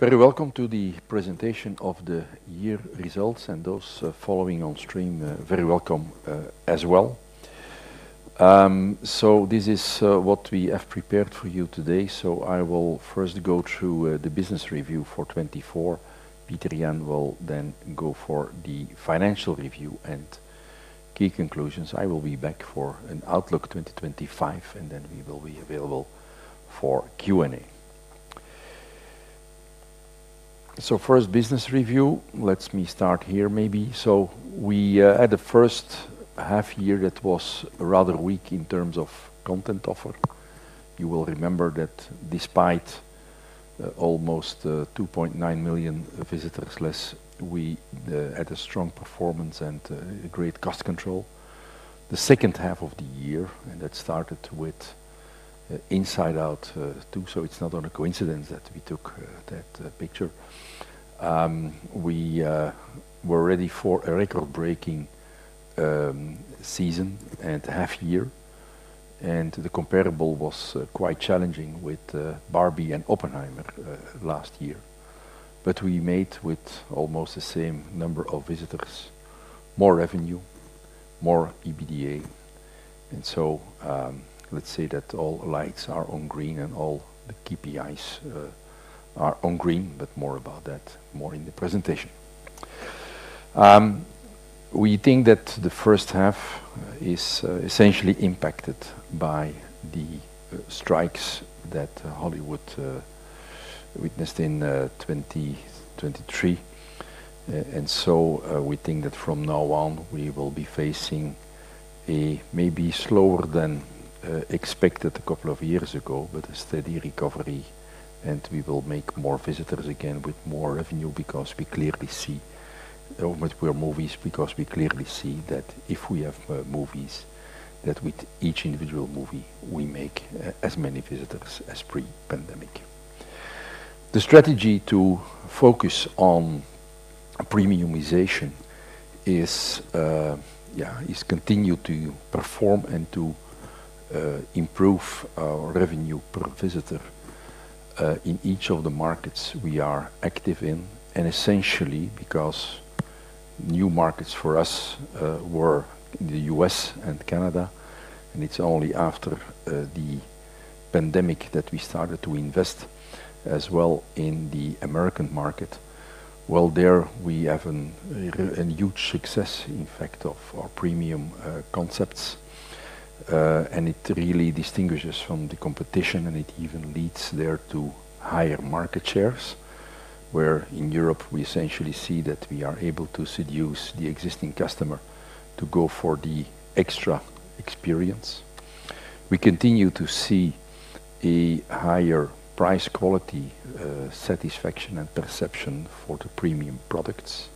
Very welcome to the presentation of the year results, and those following on stream, very welcome as well. So this is what we have prepared for you today. So I will first go through the business review for 2024. Pieter-Jan will then go for the financial review and key conclusions. I will be back for an Outlook 2025, and then we will be available for Q&A. So first, business review. Let me start here maybe. So we had a first half year that was rather weak in terms of content offer. You will remember that despite almost 2.9 million visitors less, we had a strong performance and great cost control. The second half of the year, and that started with Inside Out 2, so it's not a coincidence that we took that picture. We were ready for a record-breaking season and half year, and the comparable was quite challenging with Barbie and Oppenheimer last year, but we made with almost the same number of visitors, more revenue, more EBITDA. And so let's say that all lights are on green and all the KPIs are on green, but more about that in the presentation. We think that the first half is essentially impacted by the strikes that Hollywood witnessed in 2023, and so we think that from now on, we will be facing a maybe slower than expected a couple of years ago, but a steady recovery, and we will make more visitors again with more revenue because we clearly see with our movies that if we have movies, that with each individual movie, we make as many visitors as pre-pandemic. The strategy to focus on premiumization is continue to perform and to improve our revenue per visitor in each of the markets we are active in. Essentially, because new markets for us were the U.S., and Canada, and it's only after the pandemic that we started to invest as well in the American market. There we have a huge success, in fact, of our premium concepts. It really distinguishes from the competition, and it even leads there to higher market shares, where in Europe we essentially see that we are able to seduce the existing customer to go for the extra experience. We continue to see a higher price quality satisfaction and perception for the premium products.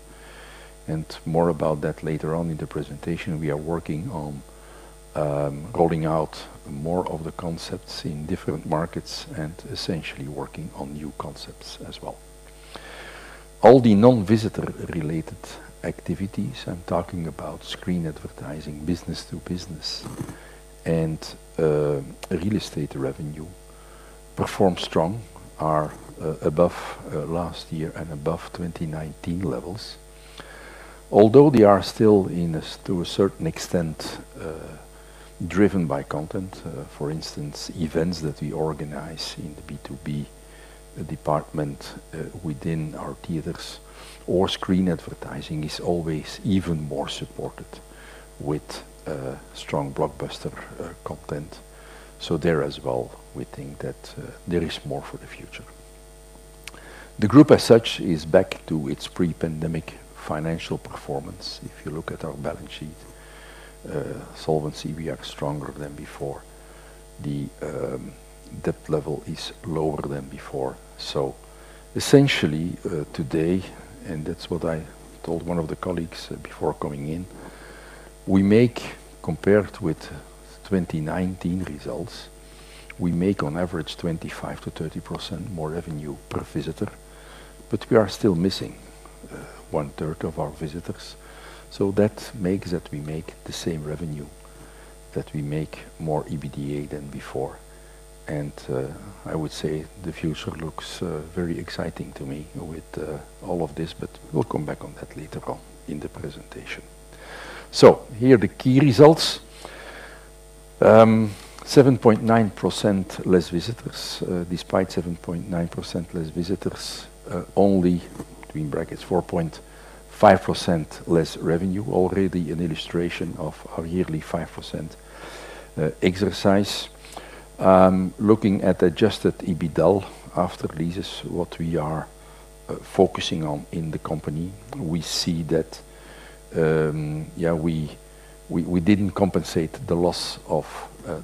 More about that later on in the presentation. We are working on rolling out more of the concepts in different markets and essentially working on new concepts as well. All the non-visitor-related activities, I'm talking about screen advertising, business to business, and real estate revenue, perform strong, are above last year and above 2019 levels. Although they are still to a certain extent driven by content, for instance, events that we organize in the B2B department within our theaters, or screen advertising is always even more supported with strong blockbuster content. So there as well, we think that there is more for the future. The group as such is back to its pre-pandemic financial performance. If you look at our balance sheet, solvency we are stronger than before. The debt level is lower than before. So essentially today, and that's what I told one of the colleagues before coming in, we make, compared with 2019 results, we make on average 25%-30% more revenue per visitor, but we are still missing one third of our visitors. That makes that we make the same revenue that we make more EBITDA than before. And I would say the future looks very exciting to me with all of this, but we'll come back on that later on in the presentation. Here are the key results. 7.9% less visitors. Despite 7.9% less visitors, only 4.5% less revenue already, an illustration of our yearly 5% exercise. Looking at adjusted EBITDA after leases, what we are focusing on in the company, we see that we didn't compensate the loss of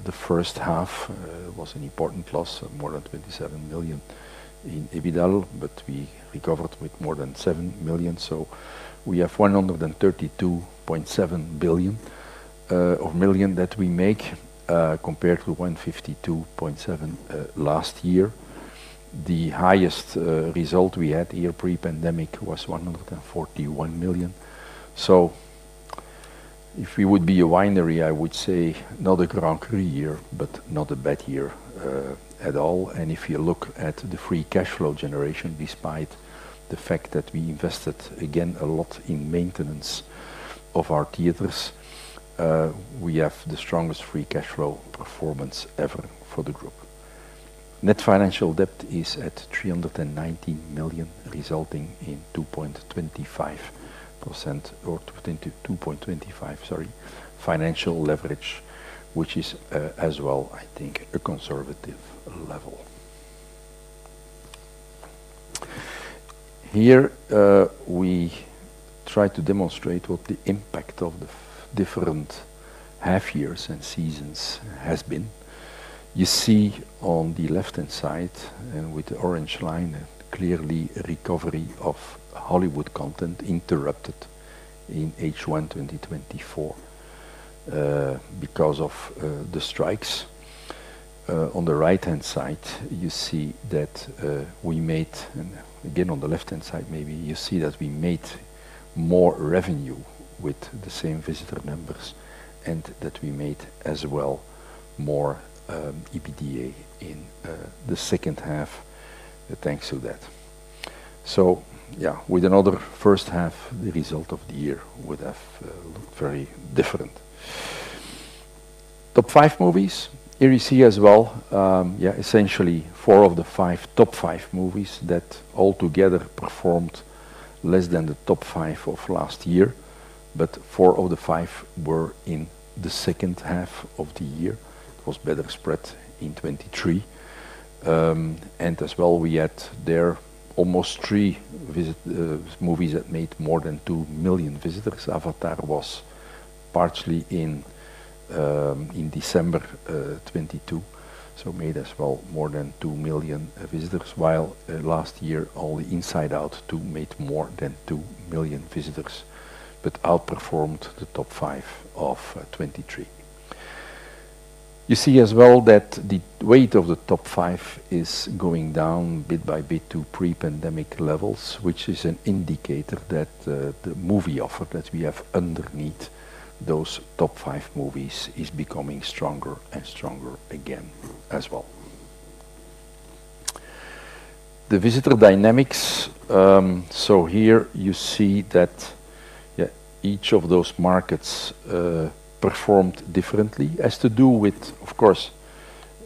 the first half. It was an important loss, more than 27 million in EBITDA, but we recovered with more than 7 million. So we have 132.7 million that we make compared to 152.7 million last year. The highest result we had here pre-pandemic was 141 million. So if we would be a winery, I would say not a grand year but not a bad year at all. And if you look at the free cash flow generation, despite the fact that we invested again a lot in maintenance of our theaters, we have the strongest free cash flow performance ever for the group. Net financial debt is at 390 million, resulting in 2.25% or 2.25, sorry, financial leverage, which is as well, I think, a conservative level. Here we try to demonstrate what the impact of the different half years and seasons has been. You see on the left-hand side and with the orange line clearly recovery of Hollywood content interrupted in H1 2024 because of the strikes. On the right-hand side, you see that we made, and again on the left-hand side maybe, you see that we made more revenue with the same visitor numbers and that we made as well more EBITDA in the second half thanks to that. So yeah, with another first half, the result of the year would have looked very different. Top five movies. Here you see as well, yeah, essentially four of the five top five movies that altogether performed less than the top five of last year, but four of the five were in the second half of the year. It was better spread in 2023. And as well, we had there almost three movies that made more than 2 million visitors. Avatar was partially in December 2022, so made as well more than 2 million visitors, while last year only Inside Out 2 made more than 2 million visitors but outperformed the top five of 2023. You see as well that the weight of the top five is going down bit by bit to pre-pandemic levels, which is an indicator that the movie offer that we have underneath those top five movies is becoming stronger and stronger again as well. The visitor dynamics. So here you see that each of those markets performed differently as to do with, of course,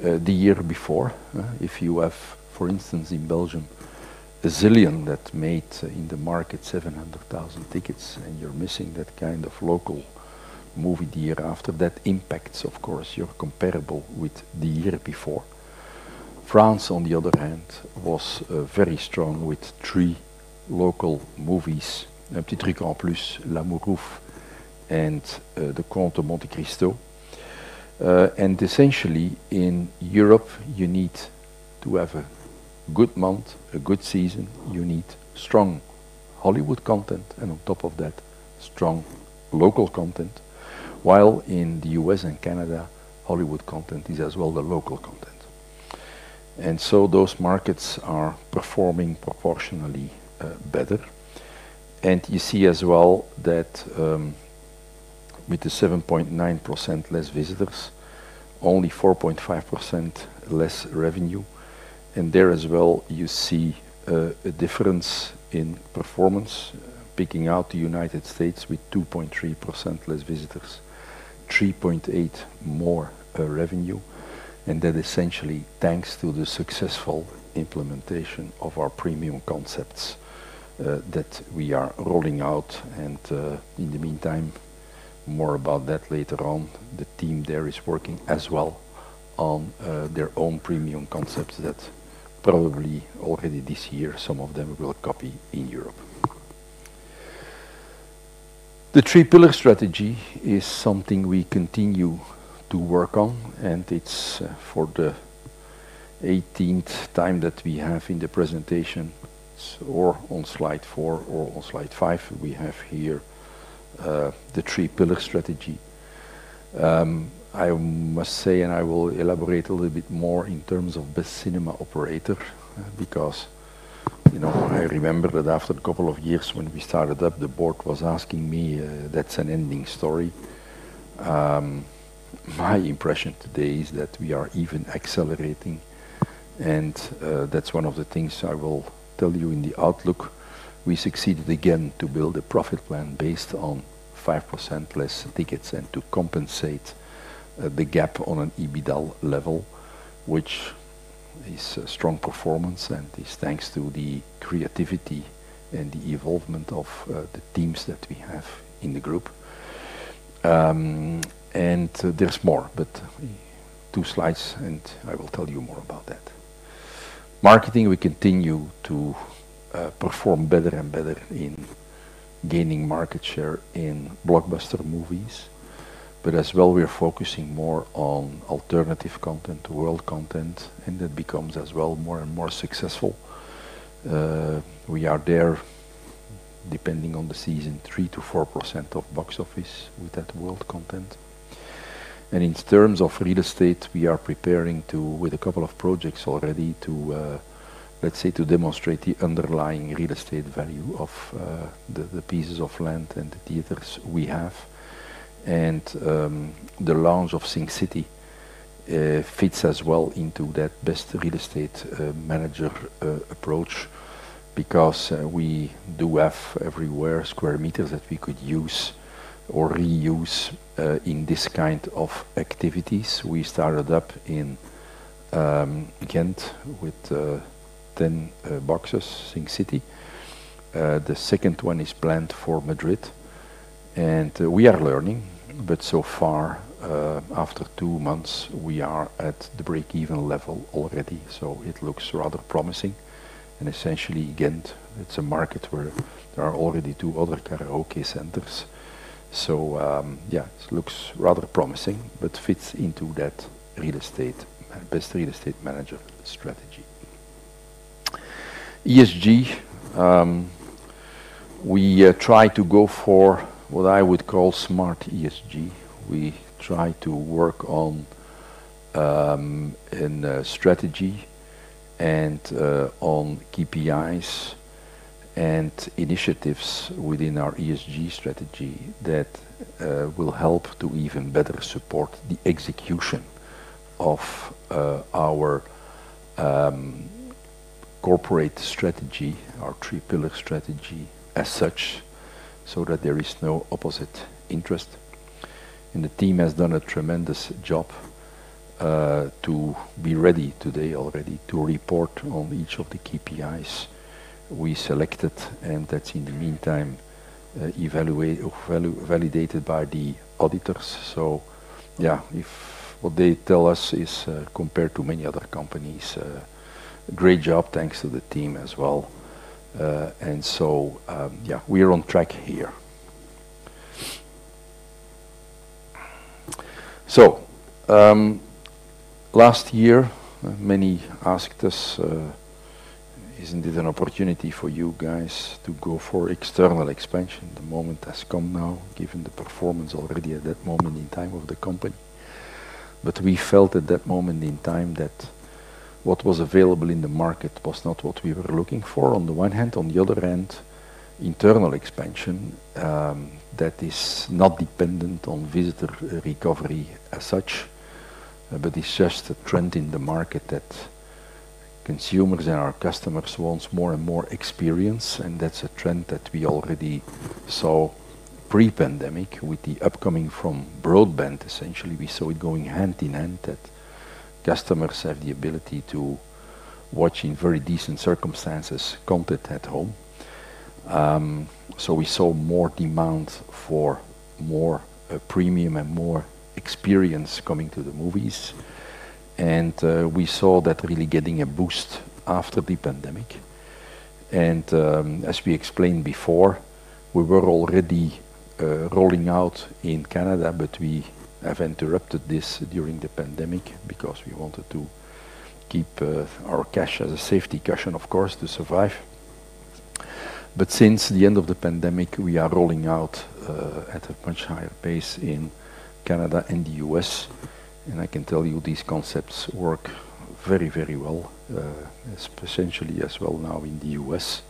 the year before. If you have, for instance, in Belgium, a Zillion that made in the market 700,000 tickets and you're missing that kind of local movie the year after, that impacts, of course, your comparable with the year before. France, on the other hand, was very strong with three local movies, Un p'tit truc en plus, L'Amour ouf, and Le Comte de Monte-Cristo. And essentially in Europe, you need to have a good month, a good season, you need strong Hollywood content, and on top of that, strong local content, while in the U.S., and Canada, Hollywood content is as well the local content. And so those markets are performing proportionally better. And you see as well that with the 7.9% less visitors, only 4.5% less revenue. And there as well, you see a difference in performance, picking out the United States with 2.3% less visitors, 3.8% more revenue. And that essentially thanks to the successful implementation of our premium concepts that we are rolling out. And in the meantime, more about that later on. The team there is working as well on their own premium concepts that probably already this year, some of them will copy in Europe. The three-pillar strategy is something we continue to work on, and it's for the 18th time that we have in the presentation, or on slide four or on slide five, we have here the three-pillar strategy. I must say, and I will elaborate a little bit more in terms of the cinema operator, because I remember that after a couple of years when we started up, the board was asking me, "That's an ending story." My impression today is that we are even accelerating, and that's one of the things I will tell you in the Outlook. We succeeded again to build a Profit Plan based on 5% less tickets and to compensate the gap on an EBITDA level, which is a strong performance, and it's thanks to the creativity and the evolvement of the teams that we have in the group. There's more, but two slides, and I will tell you more about that. Marketing, we continue to perform better and better in gaining market share in blockbuster movies, but as well, we are focusing more on alternative content, world content, and that becomes as well more and more successful. We are there, depending on the season, 3%-4% of Box Office with that world content. In terms of Real Estate, we are preparing with a couple of projects already to, let's say, to demonstrate the underlying Real Estate value of the pieces of land and the theaters we have. The launch of SingCity fits as well into that best real estate manager approach because we do have everywhere square meters that we could use or reuse in this kind of activities. We started up in Ghent with 10 boxes, SingCity. The second one is planned for Madrid. We are learning, but so far, after two months, we are at the break-even level already, so it looks rather promising. Essentially Ghent, it is a market where there are already two other karaoke centers. It looks rather promising but fits into that real estate, best real estate manager strategy. ESG. We try to go for what I would call smart ESG. We try to work on a strategy and on KPIs and initiatives within our ESG strategy that will help to even better support the execution of our corporate strategy, our three-pillar strategy as such, so that there is no opposite interest, and the team has done a tremendous job to be ready today already to report on each of the KPIs we selected, and that's in the meantime validated by the auditors, so yeah, if what they tell us is compared to many other companies, great job, thanks to the team as well, and so yeah, we are on track here, so last year, many asked us, "Isn't it an opportunity for you guys to go for external expansion?" The moment has come now, given the performance already at that moment in time of the company. But we felt at that moment in time that what was available in the market was not what we were looking for, on the one hand. On the other hand, internal expansion that is not dependent on visitor recovery as such, but it's just a trend in the market that consumers and our customers want more and more experience, and that's a trend that we already saw pre-pandemic with the upswing from broadband. Essentially, we saw it going hand in hand, that customers have the ability to watch in very decent circumstances content at home. So we saw more demand for more premium and more experience coming to the movies, and we saw that really getting a boost after the pandemic. As we explained before, we were already rolling out in Canada, but we have interrupted this during the pandemic because we wanted to keep our cash as a safety cushion, of course, to survive. But since the end of the pandemic, we are rolling out at a much higher pace in Canada and the U.S. And I can tell you these concepts work very, very well, essentially as well now in the U.S.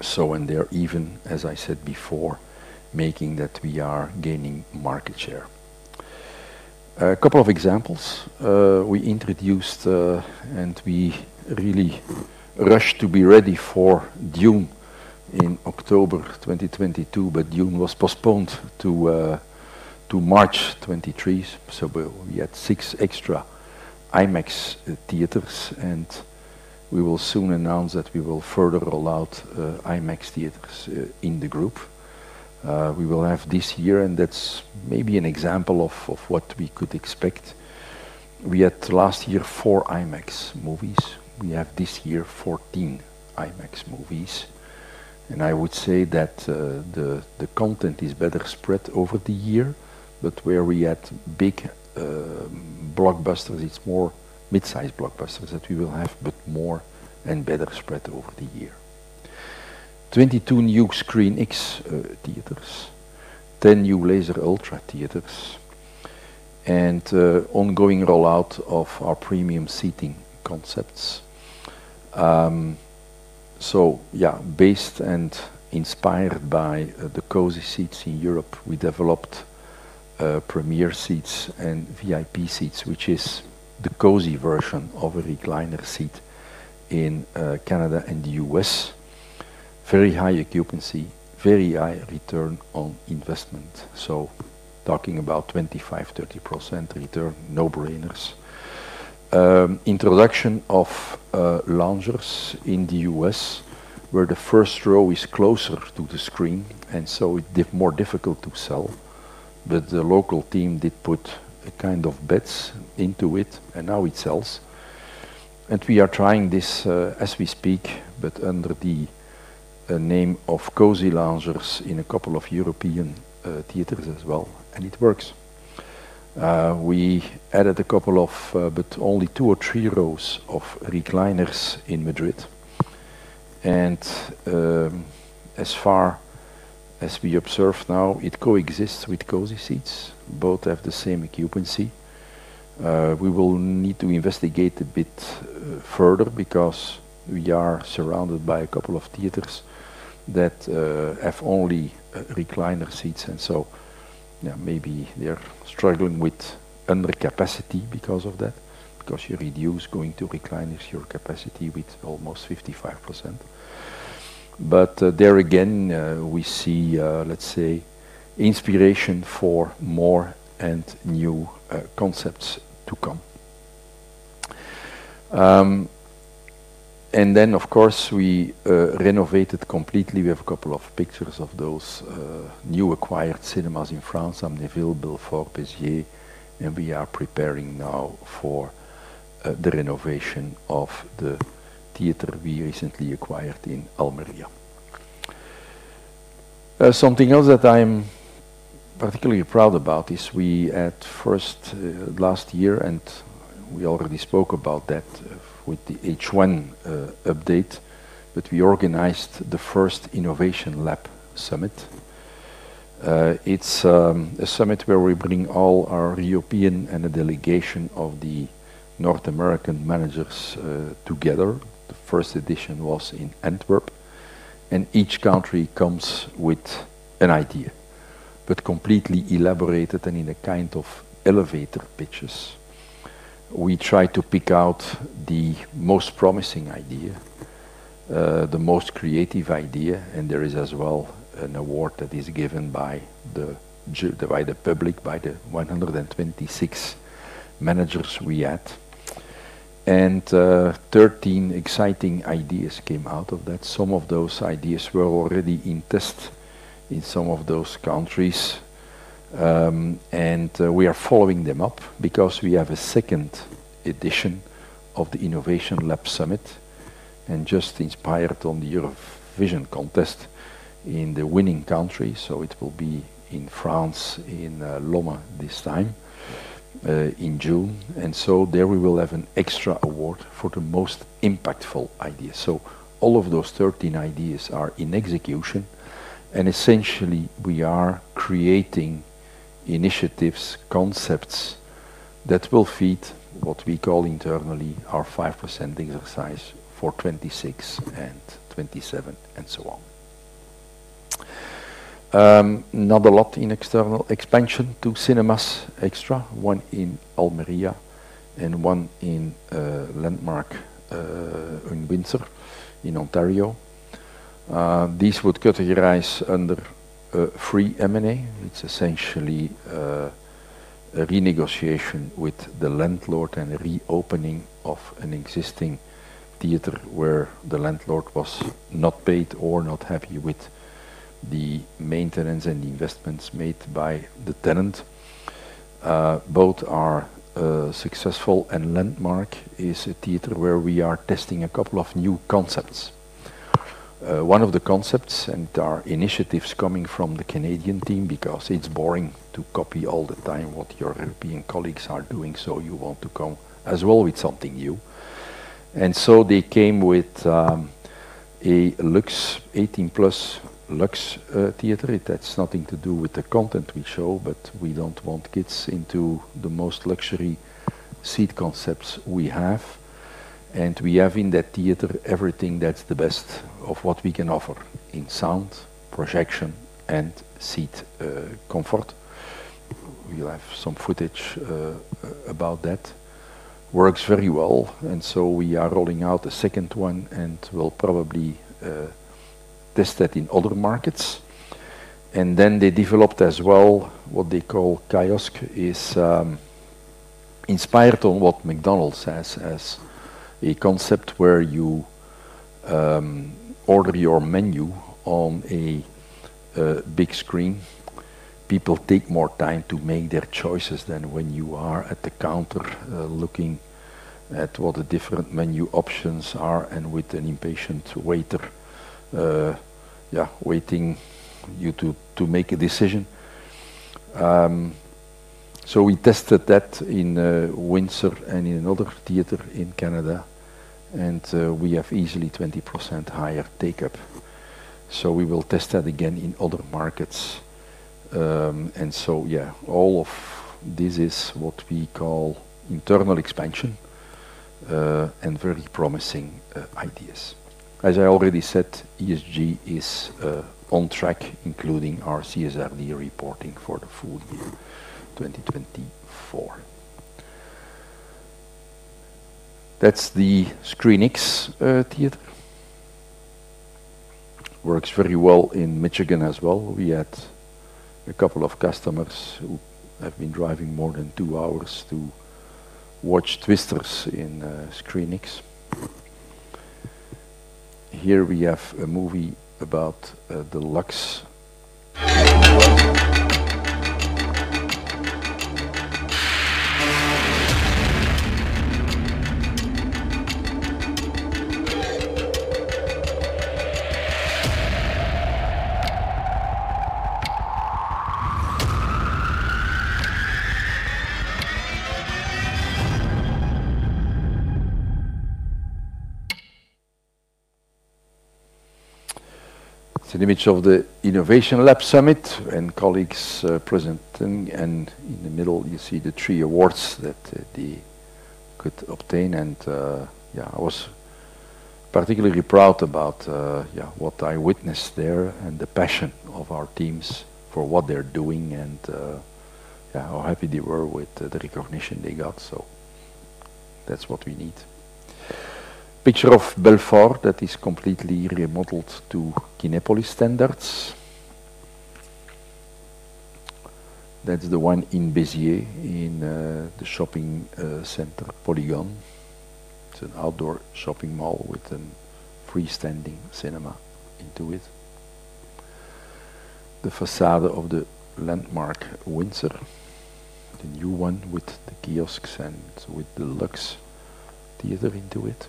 So when they're even, as I said before, making that we are gaining market share. A couple of examples. We introduced and we really rushed to be ready for Dune in October 2022, but Dune was postponed to March 2023. So we had six extra IMAX theaters, and we will soon announce that we will further roll out IMAX theaters in the group. We will have this year, and that's maybe an example of what we could expect. We had last year four IMAX movies. We have this year 14 IMAX movies. And I would say that the content is better spread over the year, but where we had big blockbusters, it's more mid-size blockbusters that we will have, but more and better spread over the year. 22 new ScreenX theaters, 10 new Laser Ultra theaters, and ongoing rollout of our premium seating concepts. So yeah, based and inspired by the Cozy Seats in Europe, we developed Premiere Seats and VIP Seats, which is the cozy version of a recliner seat in Canada and the U.S. Very high occupancy, very high return on investment. So talking about 25%-30% return, no-brainers. Introduction of loungers in the U.S., where the first row is closer to the screen, and so it's more difficult to sell. But the local team did put a kind of bets into it, and now it sells. And we are trying this as we speak, but under the name of Cozy Loungers in a couple of European theaters as well, and it works. We added a couple of, but only two or three rows of recliners in Madrid. And as far as we observe now, it coexists with Cozy Seats. Both have the same occupancy. We will need to investigate a bit further because we are surrounded by a couple of theaters that have only recliner seats, and so yeah, maybe they're struggling with under capacity because of that, because you reduce going to recliners your capacity with almost 55%. But there again, we see, let's say, inspiration for more and new concepts to come. And then, of course, we renovated completely. We have a couple of pictures of those new acquired cinemas in France, something available for Béziers, and we are preparing now for the renovation of the theater we recently acquired in Almería. Something else that I'm particularly proud about is we had first last year, and we already spoke about that with the H1 update, but we organized the first Innovation Lab Summit. It's a summit where we bring all our European and a delegation of the North American managers together. The first edition was in Antwerp, and each country comes with an idea, but completely elaborated and in a kind of elevator pitches. We try to pick out the most promising idea, the most creative idea, and there is as well an award that is given by the public, by the 126 managers we had, and 13 exciting ideas came out of that. Some of those ideas were already in test in some of those countries, and we are following them up because we have a second edition of the Innovation Lab Summit and just inspired on the Eurovision contest in the winning country, so it will be in France in Lomme this time in June. And so there we will have an extra award for the most impactful ideas, so all of those 13 ideas are in execution, and essentially we are creating initiatives, concepts that will feed what we call internally our 5% exercise for 2026 and 2027 and so on. Not a lot in external expansion to cinemas, extra, one in Almería and one in Landmark in Windsor in Ontario. These would categorize under free M&A. It's essentially a renegotiation with the landlord and reopening of an existing theater where the landlord was not paid or not happy with the maintenance and the investments made by the tenant. Both are successful, and Landmark is a theater where we are testing a couple of new concepts. One of the concepts, and there are initiatives coming from the Canadian team because it's boring to copy all the time what your European colleagues are doing, so you want to come as well with something new. And so they came with a Lux, 18-plus Lux theater. That's nothing to do with the content we show, but we don't want kids into the most luxury seat concepts we have. We have in that theater everything that's the best of what we can offer in sound, projection, and seat comfort. We'll have some footage about that. It works very well, and we are rolling out a second one and will probably test that in other markets. They developed as well what they call Kiosk, inspired on what McDonald's has as a concept where you order your menu on a big screen. People take more time to make their choices than when you are at the counter looking at what the different menu options are and with an impatient waiter, yeah, waiting you to make a decision. We tested that in Windsor and in another theater in Canada, and we have easily 20% higher take-up. We will test that again in other markets. Yeah, all of this is what we call internal expansion and very promising ideas. As I already said, ESG is on track, including our CSRD reporting for the full year 2024. That's the ScreenX theater. It works very well in Michigan as well. We had a couple of customers who have been driving more than two hours to watch Twisters in ScreenX. Here we have a movie about the Lux. It's an image of the Innovation Lab Summit and colleagues presenting, and in the middle, you see the three awards that they could obtain. Yeah, I was particularly proud about what I witnessed there and the passion of our teams for what they're doing and how happy they were with the recognition they got. That's what we need. Picture of Belfort that is completely remodeled to Kinepolis standards. That's the one in Béziers in the shopping center Polygon. It's an outdoor shopping mall with a freestanding cinema into it. The façade of the Landmark Windsor, the new one with the kiosks and with the Lux theater into it.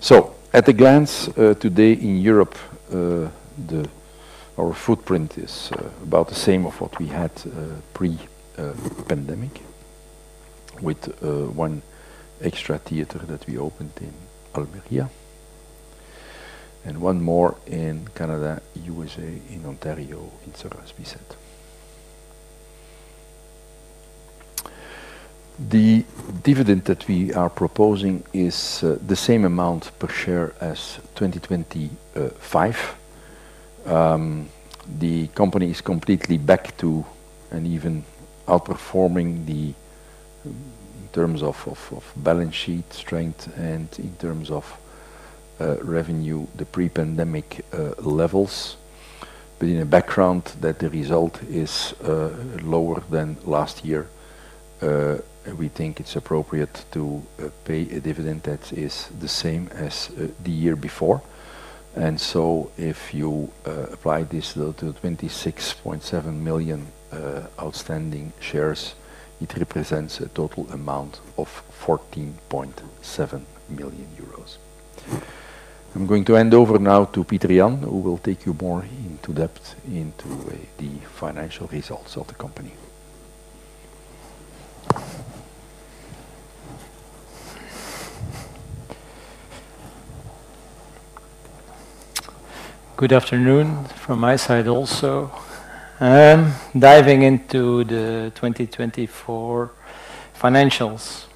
So at a glance today in Europe, our footprint is about the same of what we had pre-pandemic with one extra theater that we opened in Almería and one more in Canada, USA, in Ontario, in Sarnia. The dividend that we are proposing is the same amount per share as 2025. The company is completely back to and even outperforming the, in terms of balance sheet strength and in terms of revenue, the pre-pandemic levels. But in a background that the result is lower than last year, we think it's appropriate to pay a dividend that is the same as the year before. And so if you apply this to 26.7 million outstanding shares, it represents a total amount of 14.7 million euros. I'm going to hand over now to Pieter-Jan, who will take you more into depth into the financial results of the company. Good afternoon from my side also. Diving into the 2024 financials.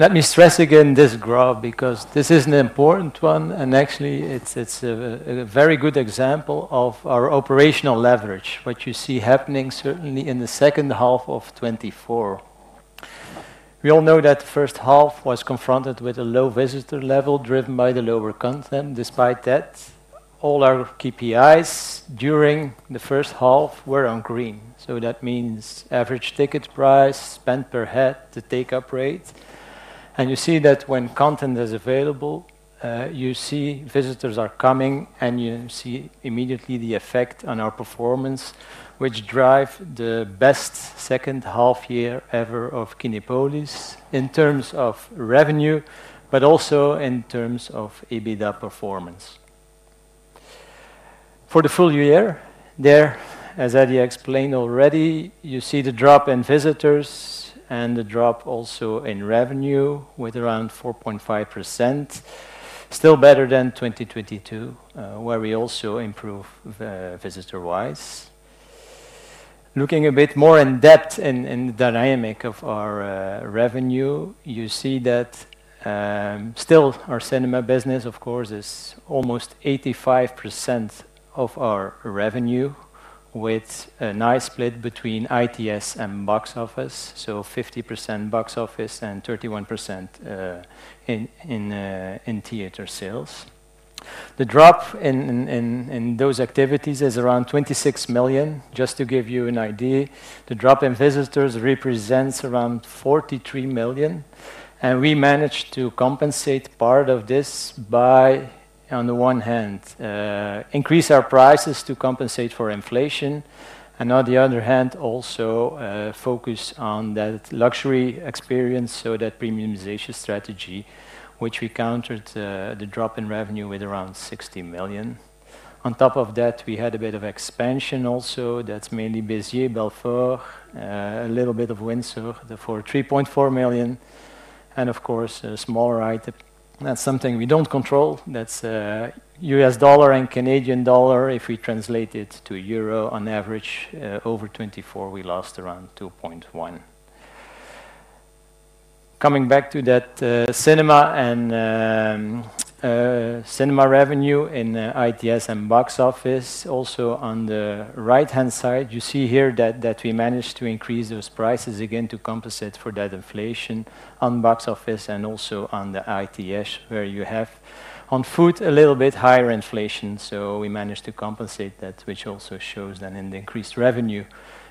Let me stress again this graph because this is an important one, and actually it's a very good example of our operational leverage, what you see happening certainly in the second half of 2024. We all know that the first half was confronted with a low visitor level driven by the lower content. Despite that, all our KPIs during the first half were on green. So that means average ticket price, spend per head, the take-up rate. You see that when content is available, you see visitors are coming, and you see immediately the effect on our performance, which drives the best second half year ever of Kinepolis in terms of revenue, but also in terms of EBITDA performance. For the full year there, as Adi explained already, you see the drop in visitors and the drop also in revenue with around 4.5%. Still better than 2022, where we also improved visitor-wise. Looking a bit more in depth in the dynamic of our revenue, you see that still our cinema business, of course, is almost 85% of our revenue with a nice split between ITS and box office. So 50% box office and 31% in theater sales. The drop in those activities is around 26 million. Just to give you an idea, the drop in visitors represents around 43 million. And we managed to compensate part of this by, on the one hand, increasing our prices to compensate for inflation, and on the other hand, also focus on that luxury experience so that premiumization strategy, which we countered the drop in revenue with around 60 million. On top of that, we had a bit of expansion also. That's mainly Béziers, Belfort, a little bit of Windsor for 3.4 million. And of course, a small FX. That's something we don't control. That's USD and CAD. If we translate it to EUR on average, over 2024, we lost around 2.1. Coming back to that cinema and cinema revenue in ITS and box office, also on the right-hand side, you see here that we managed to increase those prices again to compensate for that inflation on box office and also on the ITS, where you have on food a little bit higher inflation. So we managed to compensate that, which also shows then in the increased revenue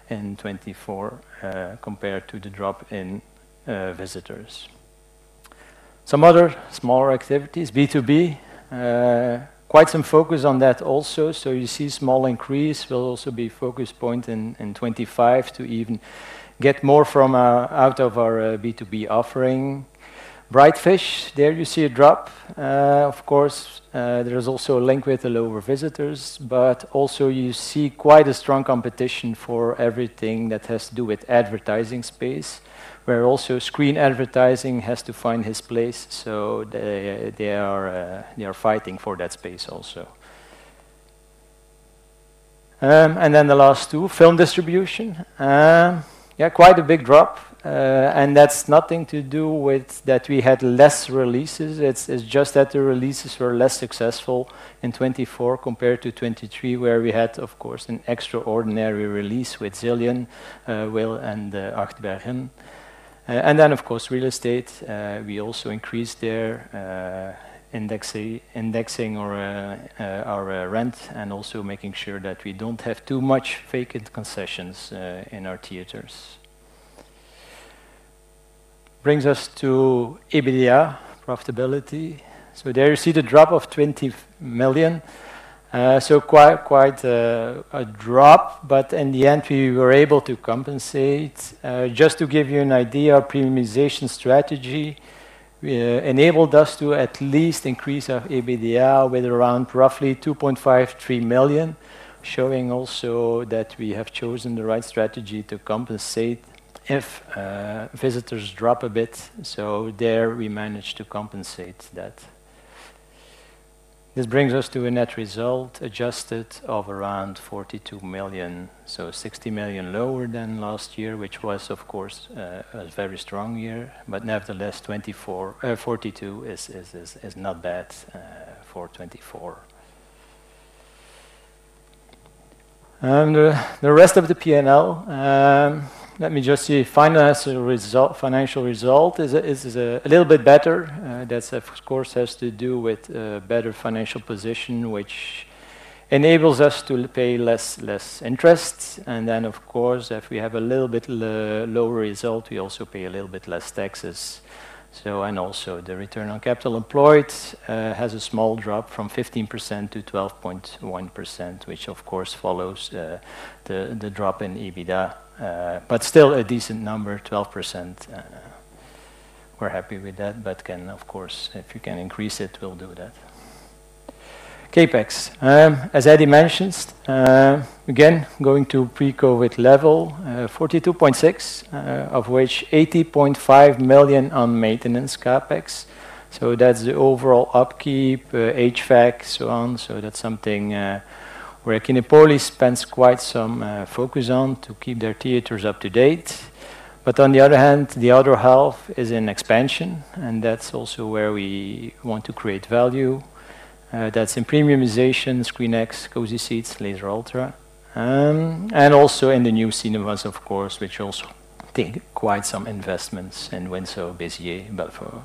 in 2024 compared to the drop in visitors. Some other smaller activities, B2B, quite some focus on that also. So you see small increase will also be a focus point in 2025 to even get more out of our B2B offering. Brightfish, there you see a drop. Of course, there is also a link with the lower visitors, but also you see quite a strong competition for everything that has to do with advertising space, where also screen advertising has to find his place. So they are fighting for that space also. And then the last two, film distribution. Yeah, quite a big drop. And that's nothing to do with that we had less releases. It's just that the releases were less successful in 2024 compared to 2023, where we had, of course, an extraordinary release with Zillion, Will, and Achtbergen. And then, of course, real estate. We also increased their indexing or our rent and also making sure that we don't have too much vacant concessions in our theaters. Brings us to EBITDA, profitability. So there you see the drop of 20 million EUR. So quite a drop, but in the end, we were able to compensate. Just to give you an idea, our premiumization strategy enabled us to at least increase our EBITDA with around roughly 2.5-3 million, showing also that we have chosen the right strategy to compensate if visitors drop a bit. So there we managed to compensate that. This brings us to a net result adjusted of around 42 million. So 60 million lower than last year, which was, of course, a very strong year. But nevertheless, 42 is not bad for 2024. The rest of the P&L, let me just see final financial result. It is a little bit better. That's, of course, has to do with a better financial position, which enables us to pay less interest. And then, of course, if we have a little bit lower result, we also pay a little bit less taxes. And also the return on capital employed has a small drop from 15% to 12.1%, which, of course, follows the drop in EBITDA. But still a decent number, 12%. We're happy with that, but can, of course, if you can increase it, we'll do that. CapEx, as Adi mentioned, again, going to pre-COVID level, 42.6 million, of which 80.5 million on maintenance CapEx So that's the overall upkeep, HVAC, so on. So that's something where Kinepolis spends quite some focus on to keep their theaters up to date. But on the other hand, the other half is in expansion, and that's also where we want to create value. That's in premiumization, ScreenX, Cozy Seats, Laser Ultra. And also in the new cinemas, of course, which also take quite some investments in Windsor, Béziers, Belfort.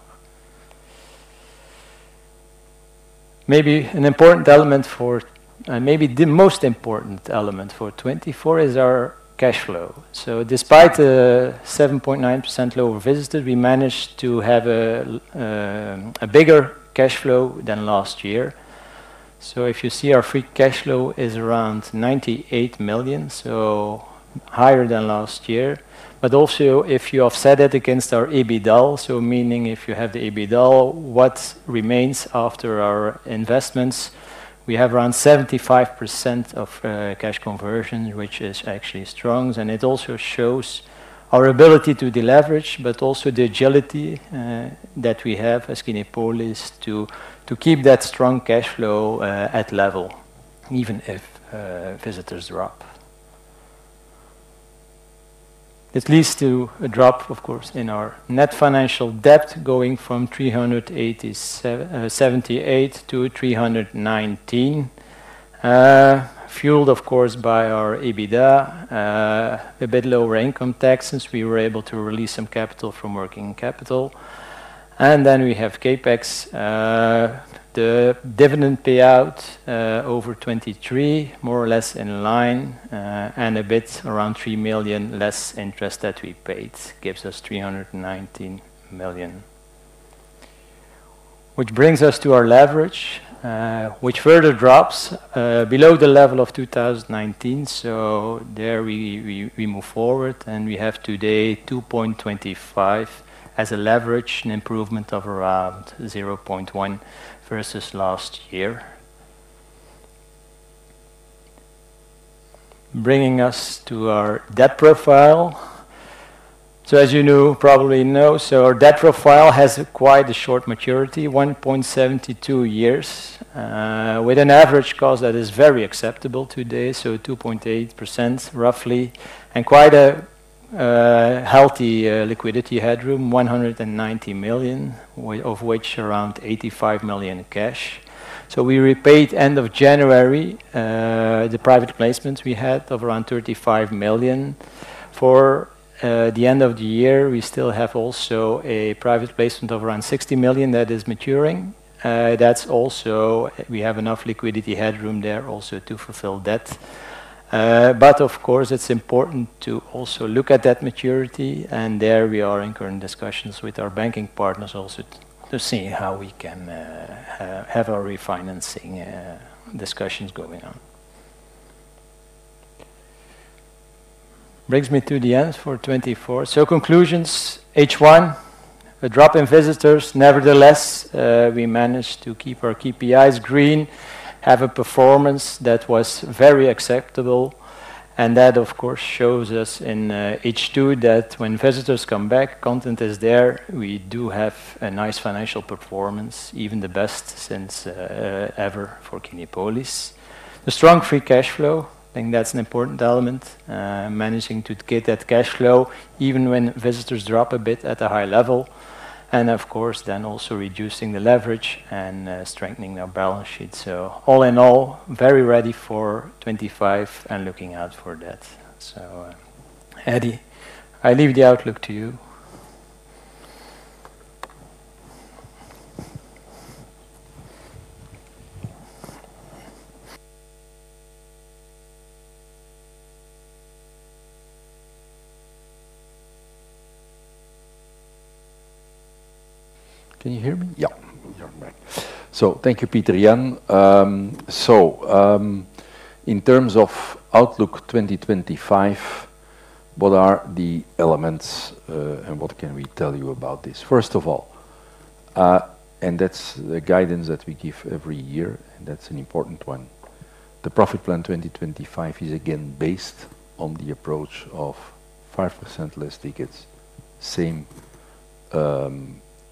Maybe an important element for, maybe the most important element for 2024 is our cash flow. Despite the 7.9% lower visitors, we managed to have a bigger cash flow than last year. If you see, our free cash flow is around 98 million, higher than last year. But also if you offset it against our EBITDA, meaning if you have the EBITDA, what remains after our investments, we have around 75% of cash conversion, which is actually strong. It also shows our ability to deleverage, but also the agility that we have as Kinepolis to keep that strong cash flow at level, even if visitors drop. It leads to a drop, of course, in our net financial debt going from 378 million to 319 million, fueled, of course, by our EBITDA, a bit lower income tax since we were able to release some capital from working capital. And then we have CapEx, the dividend payout over 2023, more or less in line, and a bit around 3 million less interest that we paid, gives us 319 million. Which brings us to our leverage, which further drops below the level of 2019. So there we move forward, and we have today 2.25 as a leverage, an improvement of around 0.1 versus last year. Bringing us to our debt profile. So as you know, probably know, so our debt profile has quite a short maturity, 1.72 years, with an average cost that is very acceptable today, so 2.8% roughly, and quite a healthy liquidity headroom, 190 million, of which around 85 million cash. So we repaid end of January, the private placement we had of around 35 million. For the end of the year, we still have also a private placement of around 60 million that is maturing. That's also we have enough liquidity headroom there also to fulfill debt. But of course, it's important to also look at that maturity, and there we are in current discussions with our banking partners also to see how we can have our refinancing discussions going on. Brings me to the end for 2024. So conclusions, H1, a drop in visitors. Nevertheless, we managed to keep our KPIs green, have a performance that was very acceptable. And that, of course, shows us in H2 that when visitors come back, content is there, we do have a nice financial performance, even the best since ever for Kinepolis. The strong free cash flow, I think that's an important element, managing to get that cash flow even when visitors drop a bit at a high level. And of course, then also reducing the leverage and strengthening our balance sheet. So all in all, very ready for 2025 and looking out for that. So Adi, I leave the outlook to you. Can you hear me? Yeah. So thank you, Pieter-Jan. So in terms of Outlook 2025, what are the elements and what can we tell you about this? First of all, and that's the guidance that we give every year, and that's an important one. The Profit Plan 2025 is again based on the approach of 5% less tickets, same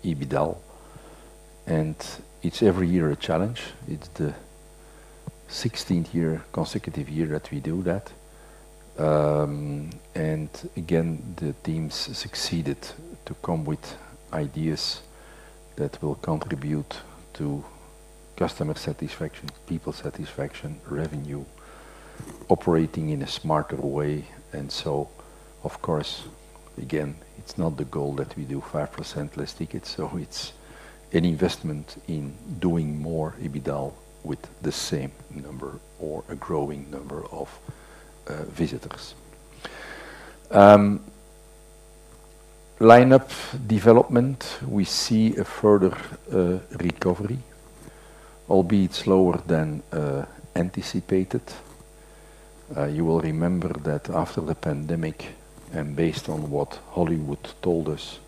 EBITDA. And it's every year a challenge. It's the 16th consecutive year that we do that. And again, the teams succeeded to come with ideas that will contribute to customer satisfaction, people satisfaction, revenue, operating in a smarter way. And so, of course, again, it's not the goal that we do 5% less tickets. It's an investment in doing more EBITDA with the same number or a growing number of visitors. Lineup development, we see a further recovery, albeit slower than anticipated. You will remember that after the pandemic, and based on what Hollywood told us,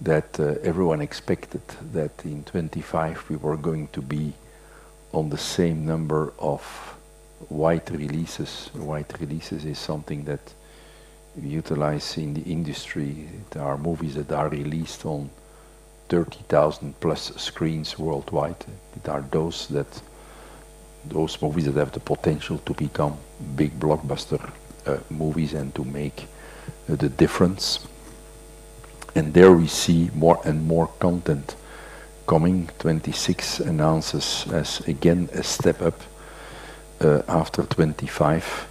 that everyone expected that in 2025 we were going to be on the same number of white releases. White releases is something that we utilize in the industry. There are movies that are released on 30,000 plus screens worldwide. Those movies that have the potential to become big blockbuster movies and to make the difference. And there we see more and more content coming. 2026 announces us again a step up after 2025.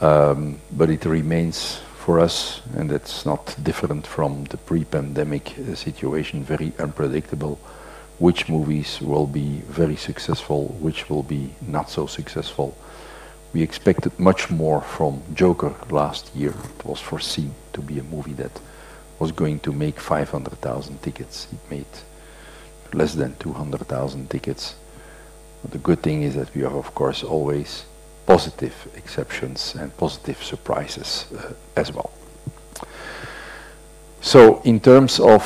But it remains for us, and it's not different from the pre-pandemic situation, very unpredictable, which movies will be very successful, which will be not so successful. We expected much more from Joker last year. It was foreseen to be a movie that was going to make 500,000 tickets. It made less than 200,000 tickets. The good thing is that we have, of course, always positive exceptions and positive surprises as well. So in terms of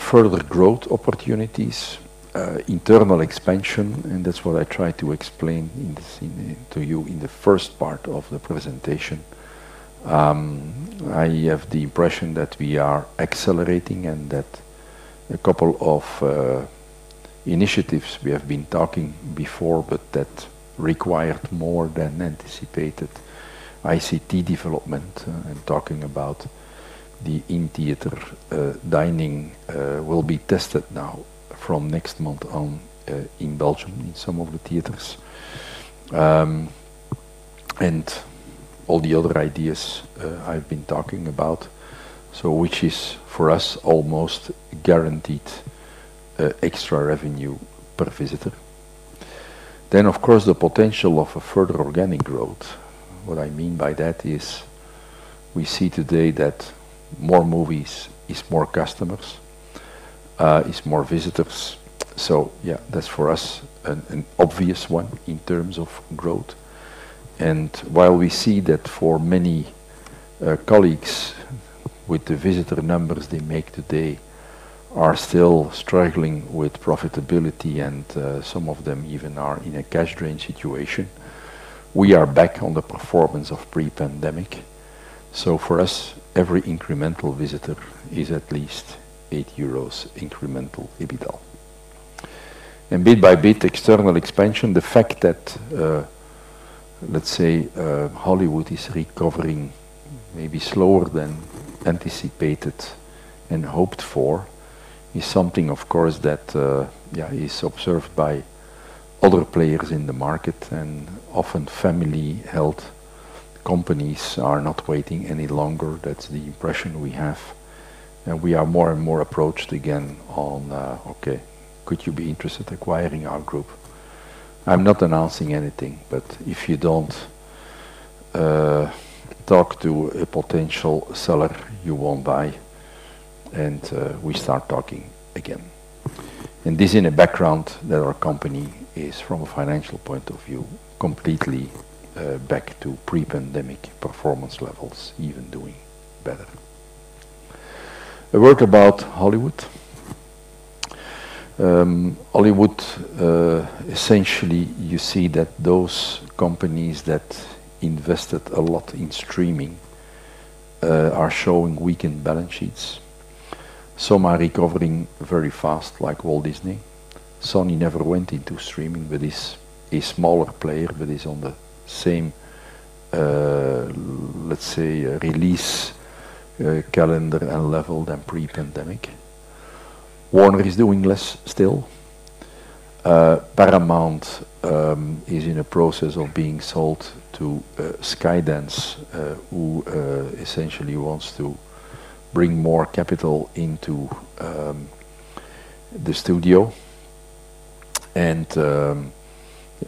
further growth opportunities, internal expansion, and that's what I tried to explain to you in the first part of the presentation. I have the impression that we are accelerating and that a couple of initiatives we have been talking before, but that required more than anticipated ICT development and talking about the in-theater dining will be tested now from next month on in Belgium in some of the theaters, and all the other ideas I've been talking about, which is for us almost guaranteed extra revenue per visitor. Then, of course, the potential of a further organic growth. What I mean by that is we see today that more movies is more customers, is more visitors. So yeah, that's for us an obvious one in terms of growth. And while we see that for many colleagues with the visitor numbers they make today are still struggling with profitability and some of them even are in a cash drain situation, we are back on the performance of pre-pandemic. So for us, every incremental visitor is at least 8 euros incremental EBITDA. And bit by bit, external expansion, the fact that, let's say, Hollywood is recovering maybe slower than anticipated and hoped for is something, of course, that is observed by other players in the market. And often family-held companies are not waiting any longer. That's the impression we have. And we are more and more approached again on, okay, could you be interested in acquiring our group? I'm not announcing anything, but if you don't talk to a potential seller, you won't buy and we start talking again. And this is in a background that our company is, from a financial point of view, completely back to pre-pandemic performance levels, even doing better. A word about Hollywood. Hollywood, essentially, you see that those companies that invested a lot in streaming are showing weakened balance sheets. Some are recovering very fast, like Walt Disney. Sony never went into streaming, but is a smaller player that is on the same, let's say, release calendar and level than pre-pandemic. Warner is doing less still. Paramount is in a process of being sold to Skydance, who essentially wants to bring more capital into the studio. And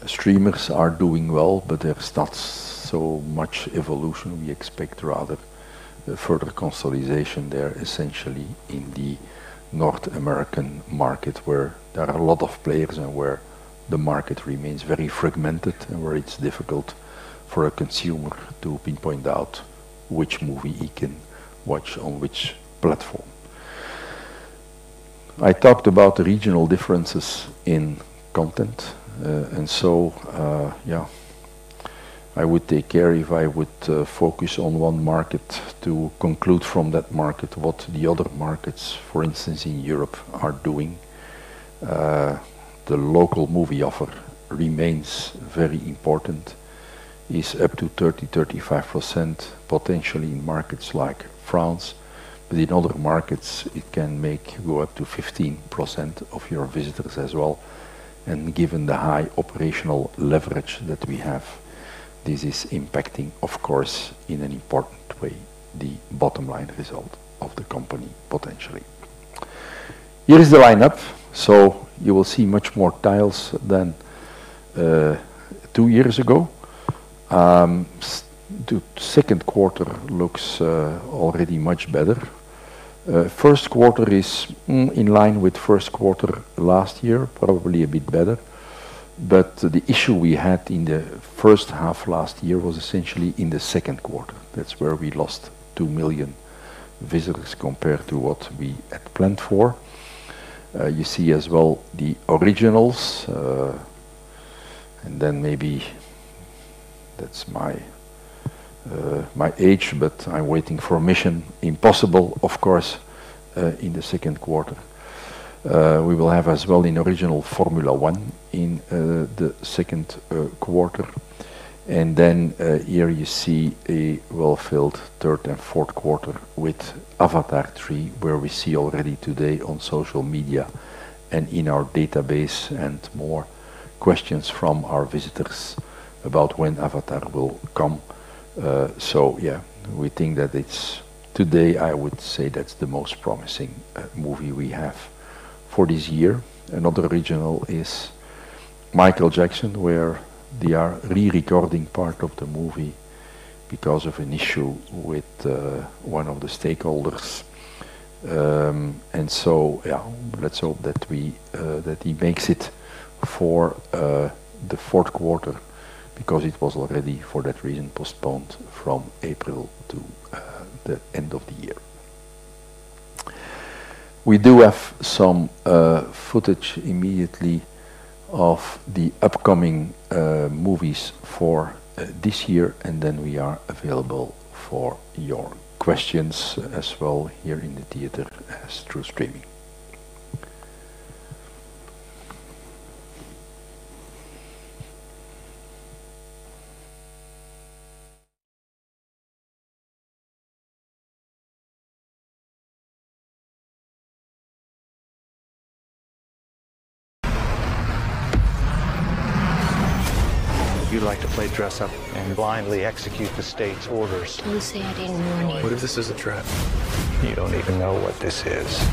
streamers are doing well, but there's not so much evolution. We expect rather further consolidation there, essentially in the North American market, where there are a lot of players and where the market remains very fragmented and where it's difficult for a consumer to pinpoint out which movie he can watch on which platform. I talked about regional differences in content. And so, yeah, I would take care if I would focus on one market to conclude from that market what the other markets, for instance, in Europe, are doing. The local movie offer remains very important. It's up to 30%-35% potentially in markets like France. But in other markets, it can make go up to 15% of your visitors as well. And given the high operational leverage that we have, this is impacting, of course, in an important way, the bottom line result of the company potentially. Here is the lineup. So you will see much more titles than two years ago. Second quarter looks already much better. First quarter is in line with first quarter last year, probably a bit better. But the issue we had in the first half last year was essentially in the second quarter. That's where we lost 2 million visitors compared to what we had planned for. You see as well the originals, and then maybe that's my age, but I'm waiting for Mission: Impossible, of course, in the second quarter. We will have as well an original Formula 1 in the second quarter. And then here you see a well-filled third and fourth quarter with Avatar 3, where we see already today on social media and in our database more questions from our visitors about when Avatar will come. So yeah, we think that it's today. I would say that's the most promising movie we have for this year. Another original is Michael Jackson, where they are re-recording part of the movie because of an issue with one of the stakeholders. And so yeah, let's hope that he makes it for the fourth quarter because it was already for that reason postponed from April to the end of the year. We do have some footage immediately of the upcoming movies for this year, and then we are available for your questions as well here in the theater as through streaming. You'd like to play dress up and blindly execute the state's orders. Lucy, I didn't warn you. What if this is a trap? You don't even know what this is.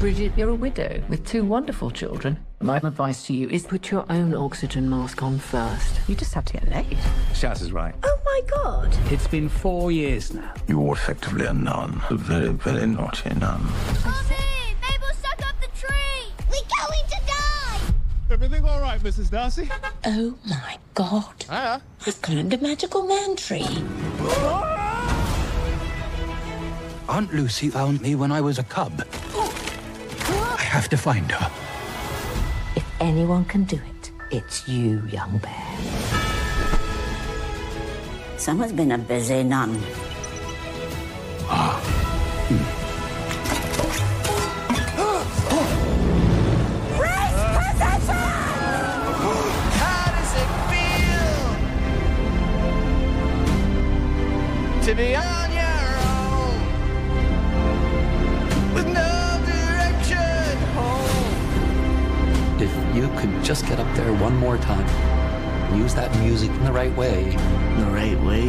Bridget, you're a widow with two wonderful children. My advice to you is put your own oxygen mask on first. You just have to get laid. Shaz is right. Oh my God. It's been four years now. You are effectively a nun. A very, very naughty nun. Auntie, Mabel sucked up the tree. We're going to die. Everything all right, Mrs. Darcy? Oh my God. Huh? The kind of magical man tree. Aunt Lucy found me when I was a cub. I have to find her. If anyone can do it, it's you, young bear. Someone's been a busy nun. Race protection! How does it feel to be on your own with no direction home? If you could just get up there one more time and use that music in the right way. The right way?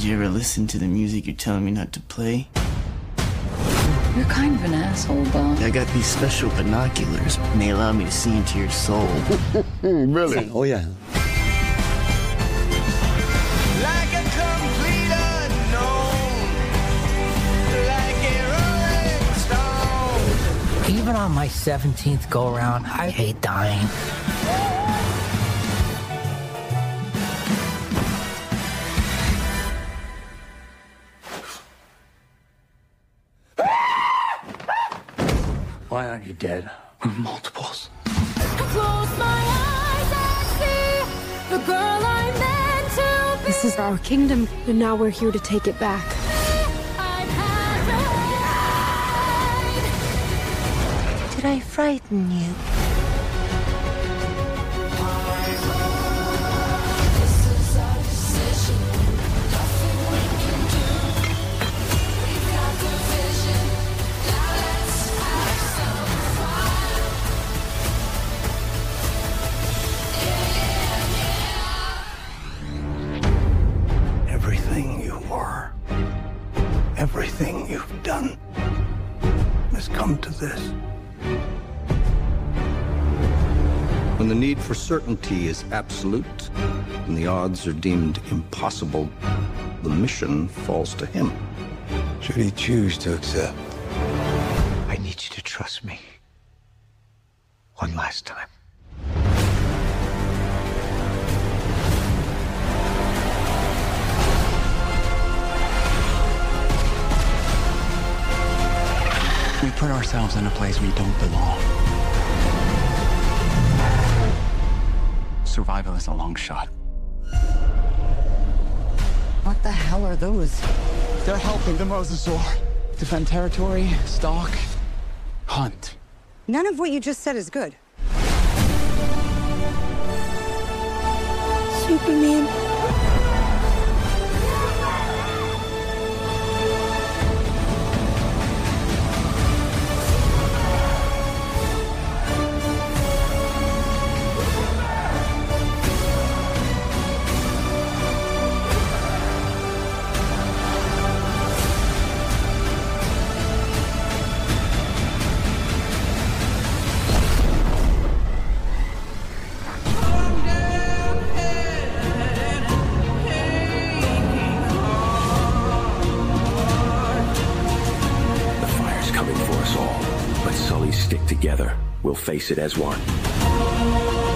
You ever listen to the music you're telling me not to play? You're kind of an asshole, but I got these special binoculars. They allow me to see into your soul. Really? Oh yeah. Like a complete unknown, like a rolling stone. Even on my 17th go-round, I hate dying. Why aren't you dead? We're multiples. I close my eyes and see the girl I meant to be. This is our kingdom, but now we're here to take it back. I've had to hide. Did I frighten you? My love, this is our decision. Nothing we can do. We've got the vision. Now let's have some fun. Yeah, yeah, yeah. Everything you are, everything you've done has come to this. When the need for certainty is absolute and the odds are deemed impossible, the mission falls to him. Should he choose to accept? I need you to trust me one last time. We put ourselves in a place we don't belong. Survival is a long shot. What the hell are those? They're helping the Mosasaur. Defend territory, stalk hunt. None of what you just said is good. Superman. I'm down and hanging on. The fire's coming for us all. But Sully's stick together. We'll face it as one.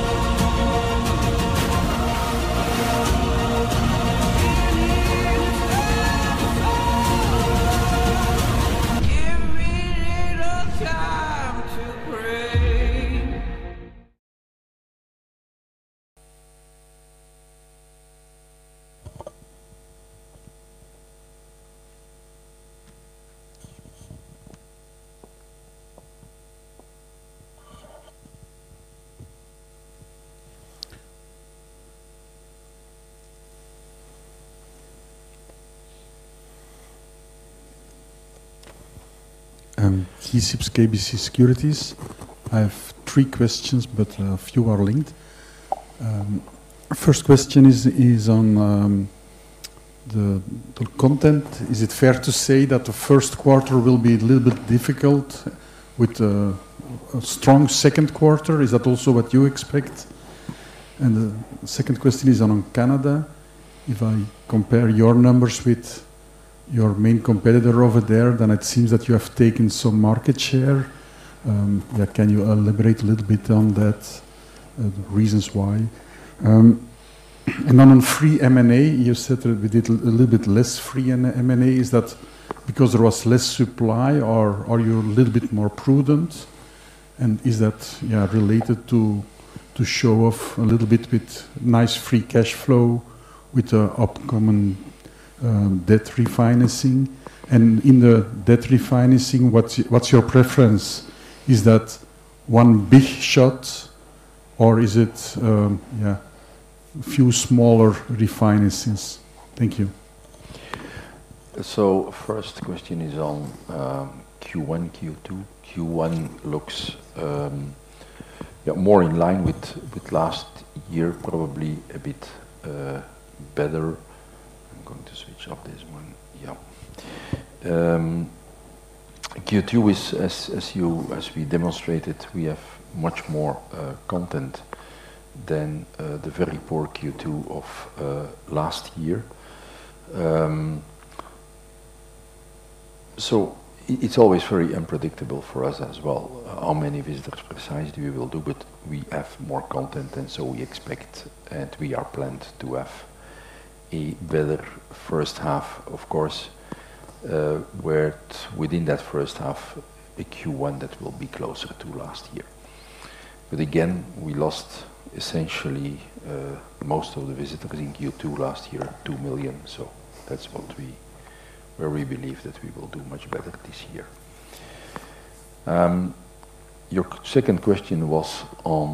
And in the bottle of. Give me a little time to pray. He's KBC Securities. I have three questions, but a few are linked. First question is on the content. Is it fair to say that the first quarter will be a little bit difficult with a strong second quarter? Is that also what you expect? And the second question is on Canada. If I compare your numbers with your main competitor over there, then it seems that you have taken some market share. Can you elaborate a little bit on that? The reasons why. And then on free M&A, you said a little bit less free M&A. Is that because there was less supply or are you a little bit more prudent? And is that related to show off a little bit with nice free cash flow with the upcoming debt refinancing? And in the debt refinancing, what's your preference? Is that one big shot or is it a few smaller refinancings? Thank you. So first question is on Q1, Q2. Q1 looks more in line with last year, probably a bit better. I'm going to switch off this one. Yeah. Q2, as we demonstrated, we have much more content than the very poor Q2 of last year. It's always very unpredictable for us as well, how many visitors precisely we will do, but we have more content than so we expect, and we are planned to have a better first half, of course, where within that first half, a Q1 that will be closer to last year. But again, we lost essentially most of the visitors in Q2 last year, 2 million. That's what we really believe that we will do much better this year. Your second question was on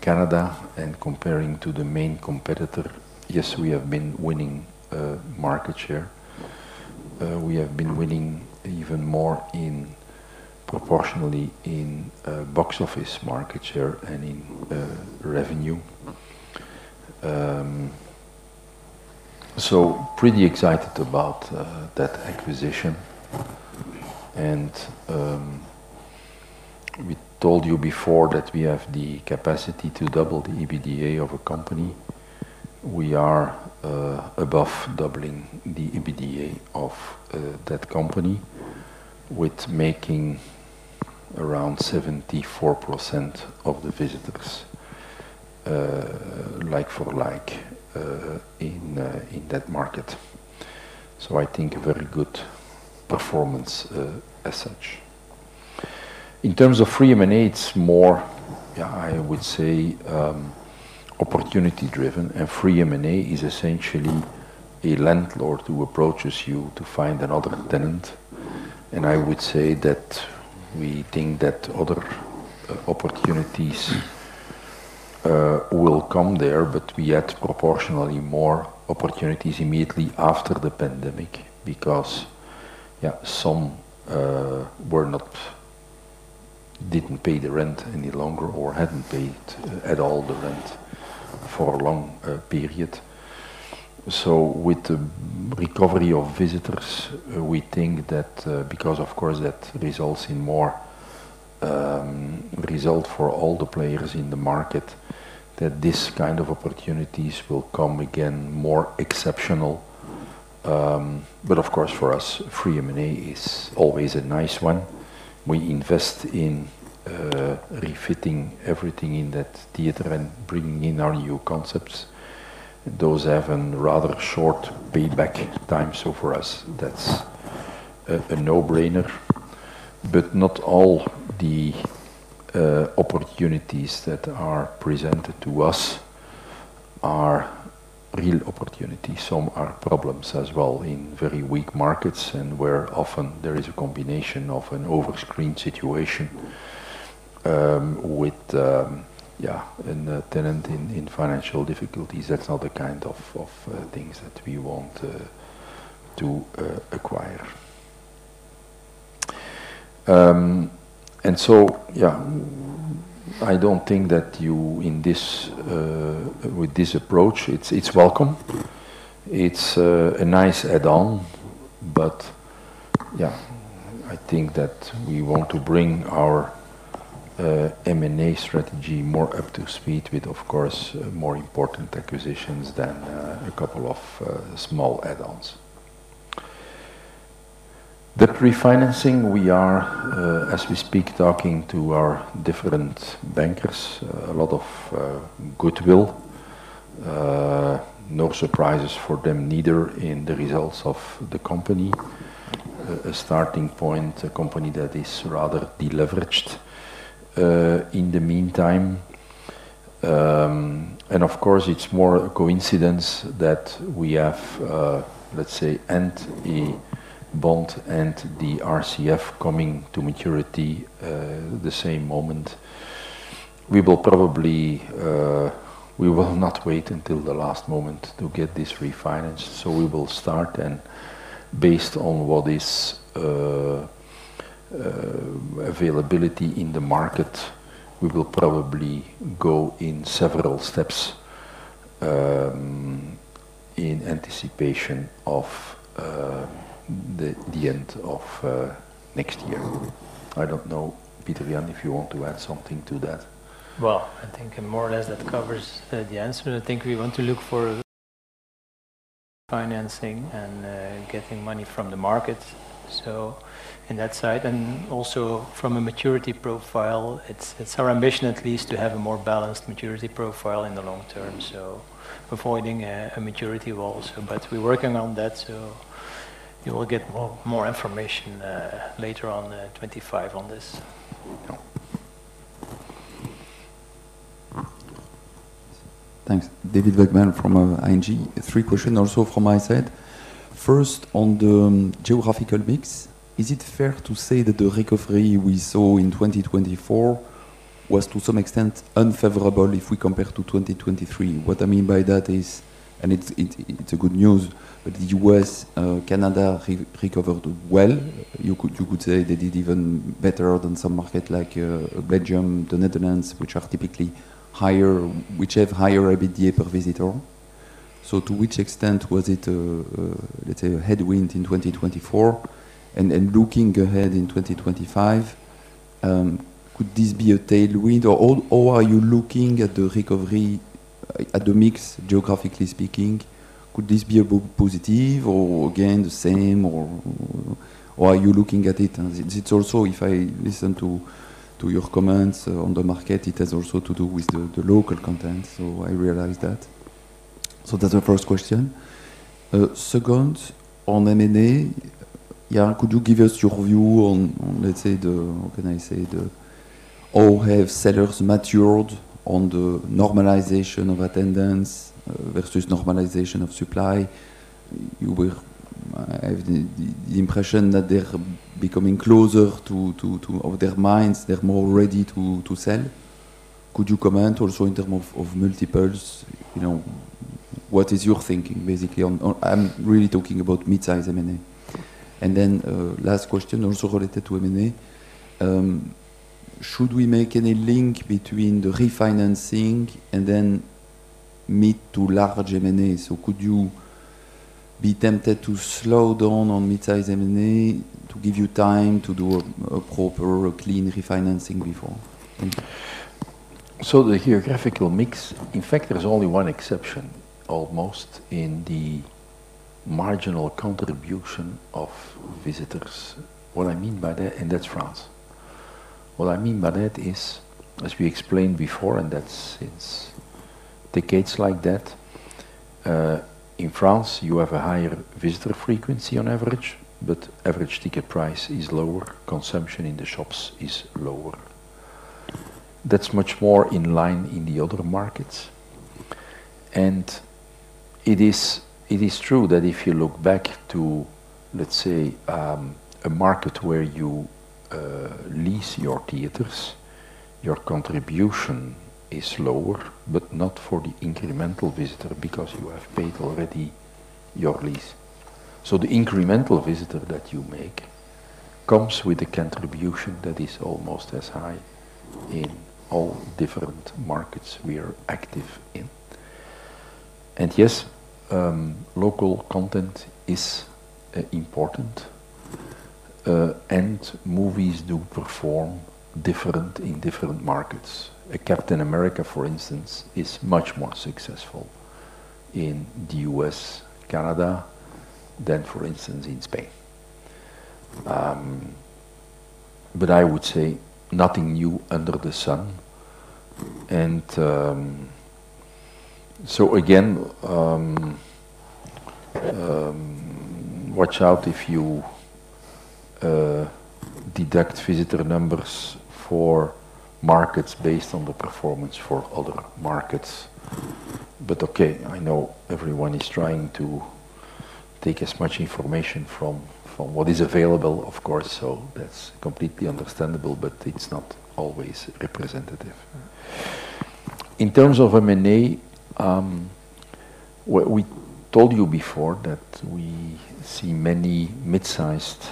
Canada and comparing to the main competitor. Yes, we have been winning market share. We have been winning even more proportionally in box office market share and in revenue. We're pretty excited about that acquisition. We told you before that we have the capacity to double the EBITDA of a company. We are above doubling the EBITDA of that company with making around 74% of the visitors like for like in that market. So I think a very good performance as such. In terms of free M&A, it's more, yeah, I would say opportunity-driven. And free M&A is essentially a landlord who approaches you to find another tenant. And I would say that we think that other opportunities will come there, but we had proportionally more opportunities immediately after the pandemic because some didn't pay the rent any longer or hadn't paid at all the rent for a long period. So with the recovery of visitors, we think that because, of course, that results in more result for all the players in the market, that this kind of opportunities will come again more exceptional. But of course, for us, free M&A is always a nice one. We invest in refitting everything in that theater and bringing in our new concepts. Those have a rather short payback time. So for us, that's a no-brainer. But not all the opportunities that are presented to us are real opportunities. Some are problems as well in very weak markets and where often there is a combination of an overscreen situation with a tenant in financial difficulties. That's not the kind of things that we want to acquire. And so yeah, I don't think that we'll be in this with this approach, it's welcome. It's a nice add-on, but yeah, I think that we want to bring our M&A strategy more up to speed with, of course, more important acquisitions than a couple of small add-ons. The refinancing, we are, as we speak, talking to our different bankers. A lot of goodwill. No surprises for them neither in the results of the company. A starting point, a company that is rather deleveraged in the meantime. And of course, it's more a coincidence that we have, let's say, a bond and the RCF coming to maturity the same moment. We will probably not wait until the last moment to get this refinanced. So we will start, and based on what's available in the market, we will probably go in several steps in anticipation of the end of next year. I don't know, Pieter-Jan, if you want to add something to that. Well, I think more or less that covers the answer. I think we want to look for financing and getting money from the market. So in that side, and also from a maturity profile, it's our ambition at least to have a more balanced maturity profile in the long term. So avoiding a maturity wall. But we're working on that. So you will get more information later on 25 on this. Thanks. David Vagman from ING. Three questions also from my side. First, on the geographical mix, is it fair to say that the recovery we saw in 2024 was to some extent unfavorable if we compare to 2023? What I mean by that is, and it's good news, but the U.S.and Canada recovered well. You could say they did even better than some markets like Belgium, the Netherlands, which are typically higher, which have higher EBITDA per visitor. So to which extent was it, let's say, a headwind in 2024? And looking ahead in 2025, could this be a tailwind, or are you looking at the recovery at the mix, geographically speaking? Could this be a positive or again the same, or are you looking at it? It's also, if I listen to your comments on the market, it has also to do with the local content. So I realize that. So that's the first question. Second, on M&A, yeah, could you give us your view on, let's say, the, what can I say, the all have sellers matured on the normalization of attendance versus normalization of supply? You have the impression that they're becoming closer to their minds. They're more ready to sell. Could you comment also in terms of multiples? What is your thinking, basically? I'm really talking about mid-size M&A. And then last question, also related to M&A. Should we make any link between the refinancing and then mid to large M&A? So could you be tempted to slow down on mid-size M&A to give you time to do a proper, clean refinancing before? So the geographical mix, in fact, there's only one exception almost in the marginal contribution of visitors. What I mean by that, and that's France. What I mean by that is, as we explained before, and that's since decades like that, in France, you have a higher visitor frequency on average, but average ticket price is lower. Consumption in the shops is lower. That's much more in line in the other markets. And it is true that if you look back to, let's say, a market where you lease your theaters, your contribution is lower, but not for the incremental visitor because you have paid already your lease. So the incremental visitor that you make comes with a contribution that is almost as high in all different markets we are active in. And yes, local content is important, and movies do perform different in different markets. A Captain America, for instance, is much more successful in the U.S., Canada, than, for instance, in Spain. But I would say nothing new under the sun. And so again, watch out if you deduct visitor numbers for markets based on the performance for other markets. But okay, I know everyone is trying to take as much information from what is available, of course, so that's completely understandable, but it's not always representative. In terms of M&A, we told you before that we see many mid-sized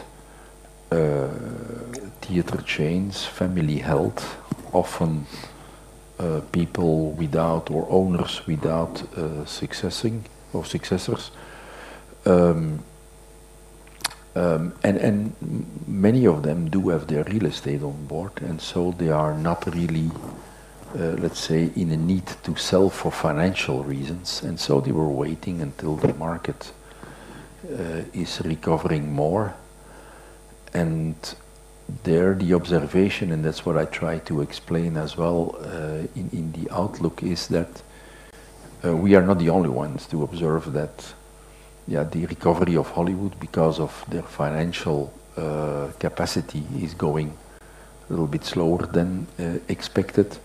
theater chains, family held, often people without or owners without succession or successors. And many of them do have their real estate on board, and so they are not really, let's say, in a need to sell for financial reasons. And so they were waiting until the market is recovering more. And there the observation, and that's what I try to explain as well in the outlook, is that we are not the only ones to observe that, yeah, the recovery of Hollywood because of their financial capacity is going a little bit slower than expected.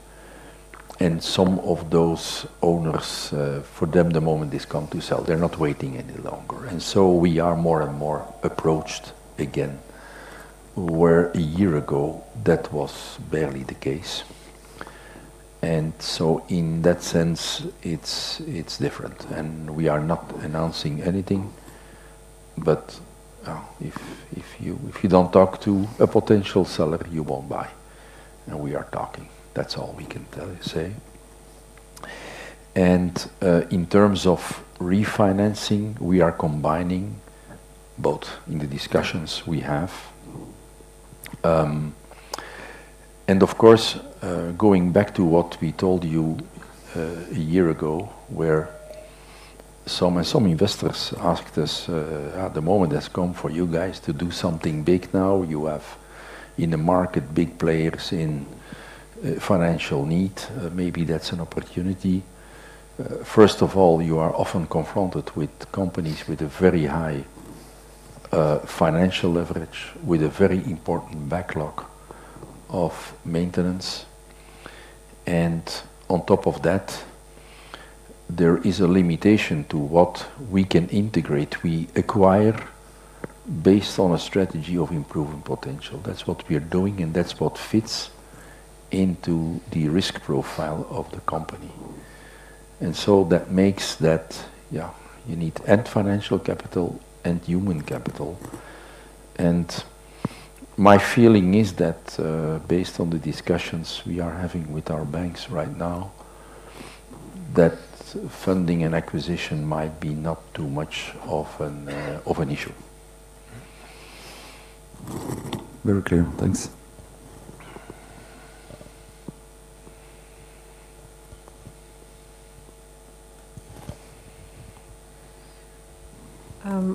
And some of those owners, for them, the moment they come to sell, they're not waiting any longer. And so we are more and more approached again, where a year ago that was barely the case. And so in that sense, it's different. And we are not announcing anything, but if you don't talk to a potential seller, you won't buy. And we are talking. That's all we can say. And in terms of refinancing, we are combining both in the discussions we have. And of course, going back to what we told you a year ago, where some investors asked us, "At the moment, it's come for you guys to do something big now. You have in the market big players in financial need. Maybe that's an opportunity." First of all, you are often confronted with companies with a very high financial leverage, with a very important backlog of maintenance. And on top of that, there is a limitation to what we can integrate. We acquire based on a strategy of improving potential. That's what we are doing, and that's what fits into the risk profile of the company. And so that makes that, yeah, you need financial capital and human capital. My feeling is that based on the discussions we are having with our banks right now, that funding and acquisition might be not too much of an issue. Very clear. Thanks.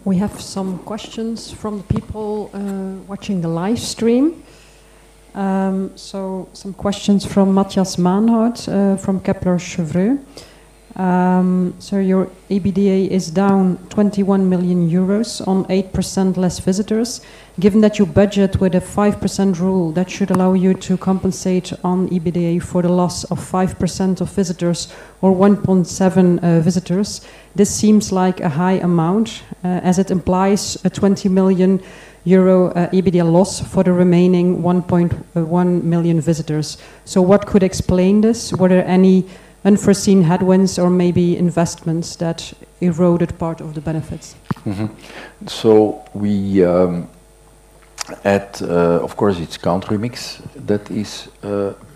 We have some questions from the people watching the live stream. Some questions from Matthias Manhart from Kepler Chevreux. Your EBITDA is down 21 million euros on 8% less visitors. Given that you budget with a 5% rule, that should allow you to compensate on EBITDA for the loss of 5% of visitors or 1.7 million visitors. This seems like a high amount as it implies a 20 million euro EBITDA loss for the remaining 1.1 million visitors. What could explain this? Were there any unforeseen headwinds or maybe investments that eroded part of the benefits? Of course, it's country mix that is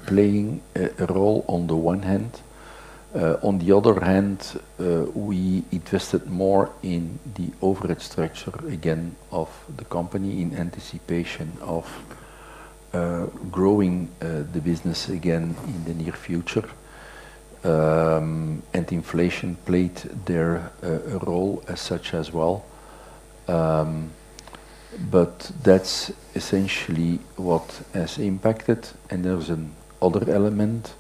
playing a role on the one hand. On the other hand, we invested more in the overhead structure again of the company in anticipation of growing the business again in the near future. And inflation played there a role as such as well. But that's essentially what has impacted. And there's another element.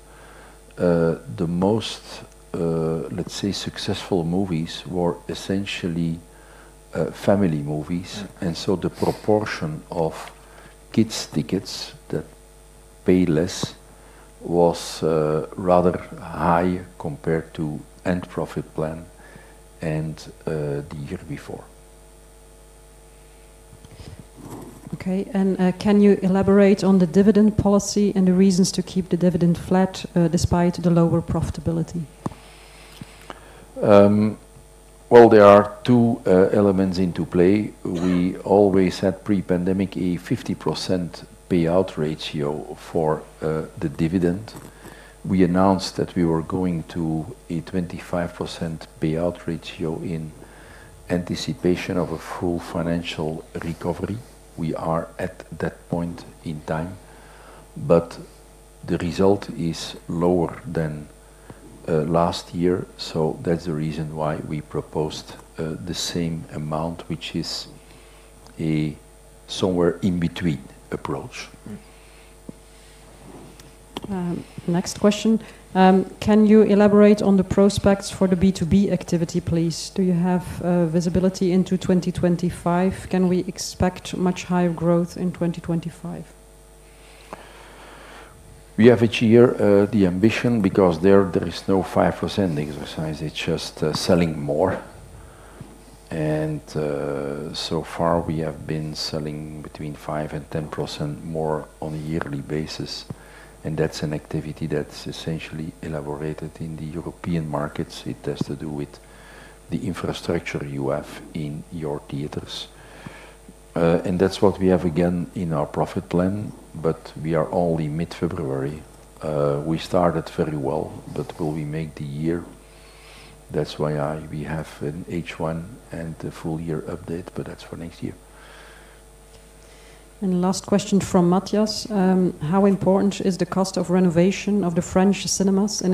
The most, let's say, successful movies were essentially family movies. And so the proportion of kids' tickets that paid less was rather high compared to our profit plan and the year before. Okay. And can you elaborate on the dividend policy and the reasons to keep the dividend flat despite the lower profitability? Well, there are two elements at play. We always had pre-pandemic a 50% payout ratio for the dividend. We announced that we were going to a 25% payout ratio in anticipation of a full financial recovery. We are at that point in time. But the result is lower than last year. So that's the reason why we proposed the same amount, which is a somewhere in between approach. Next question. Can you elaborate on the prospects for the B2B activity, please? Do you have visibility into 2025? Can we expect much higher growth in 2025? We have each year the ambition because there is no 5% exercise. It's just selling more. And so far, we have been selling between 5%-10% more on a yearly basis. And that's an activity that's essentially elaborated in the European markets. It has to do with the infrastructure you have in your theaters. And that's what we have again in our profit plan, but we are only mid-February. We started very well, but will we make the year? That's why we have an H1 and a full year update, but that's for next year. And last question from Matthias. How important is the cost of renovation of the French cinemas and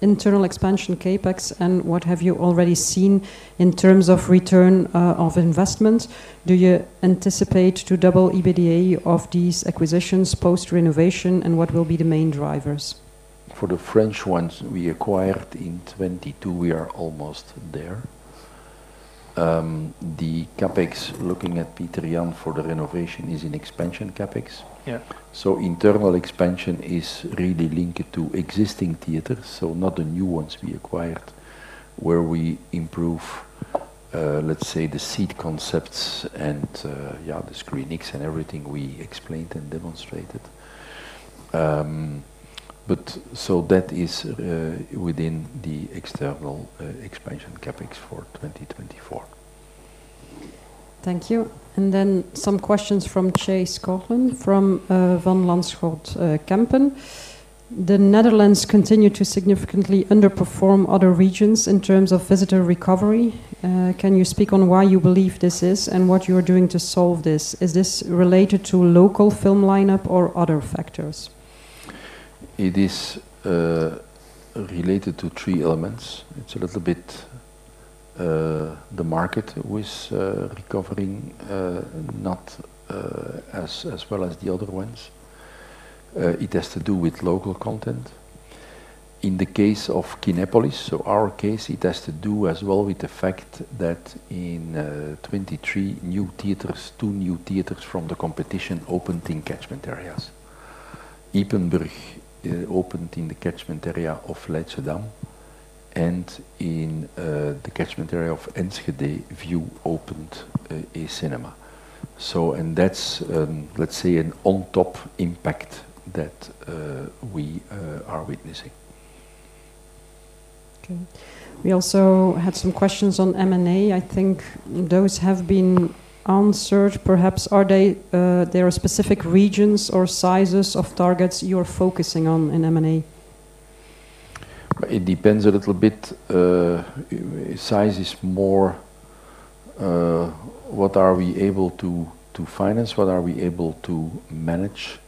internal expansion CapEx, and what have you already seen in terms of return on investment? Do you anticipate to double EBITDA of these acquisitions post-renovation, and what will be the main drivers? For the French ones, we acquired in 2022. We are almost there. The CapEx looking at Pieter-Jan for the renovation is in expansion CapEx. So internal expansion is really linked to existing theaters, so not the new ones we acquired, where we improve, let's say, the seat concepts and, yeah, the screenings and everything we explained and demonstrated, but so that is within the external expansion CapEx for 2024. Thank you, and then some questions from Chase Scotland from Van Lanschot Kempen. The Netherlands continue to significantly underperform other regions in terms of visitor recovery. Can you speak on why you believe this is and what you are doing to solve this? Is this related to local film lineup or other factors? It is related to three elements. It's a little bit the market with recovering, not as well as the other ones. It has to do with local content. In the case of Kinepolis, so our case, it has to do as well with the fact that in 2023, new theaters, two new theaters from the competition opened in catchment areas. Ypenburg opened in the catchment area of Leidschendam, and in the catchment area of Enschede, Vue opened a cinema. So, and that's, let's say, an on-top impact that we are witnessing. Okay. We also had some questions on M&A. I think those have been answered. Perhaps are there specific regions or sizes of targets you are focusing on in M&A? It depends a little bit. Size is more what are we able to finance, what are we able to manage.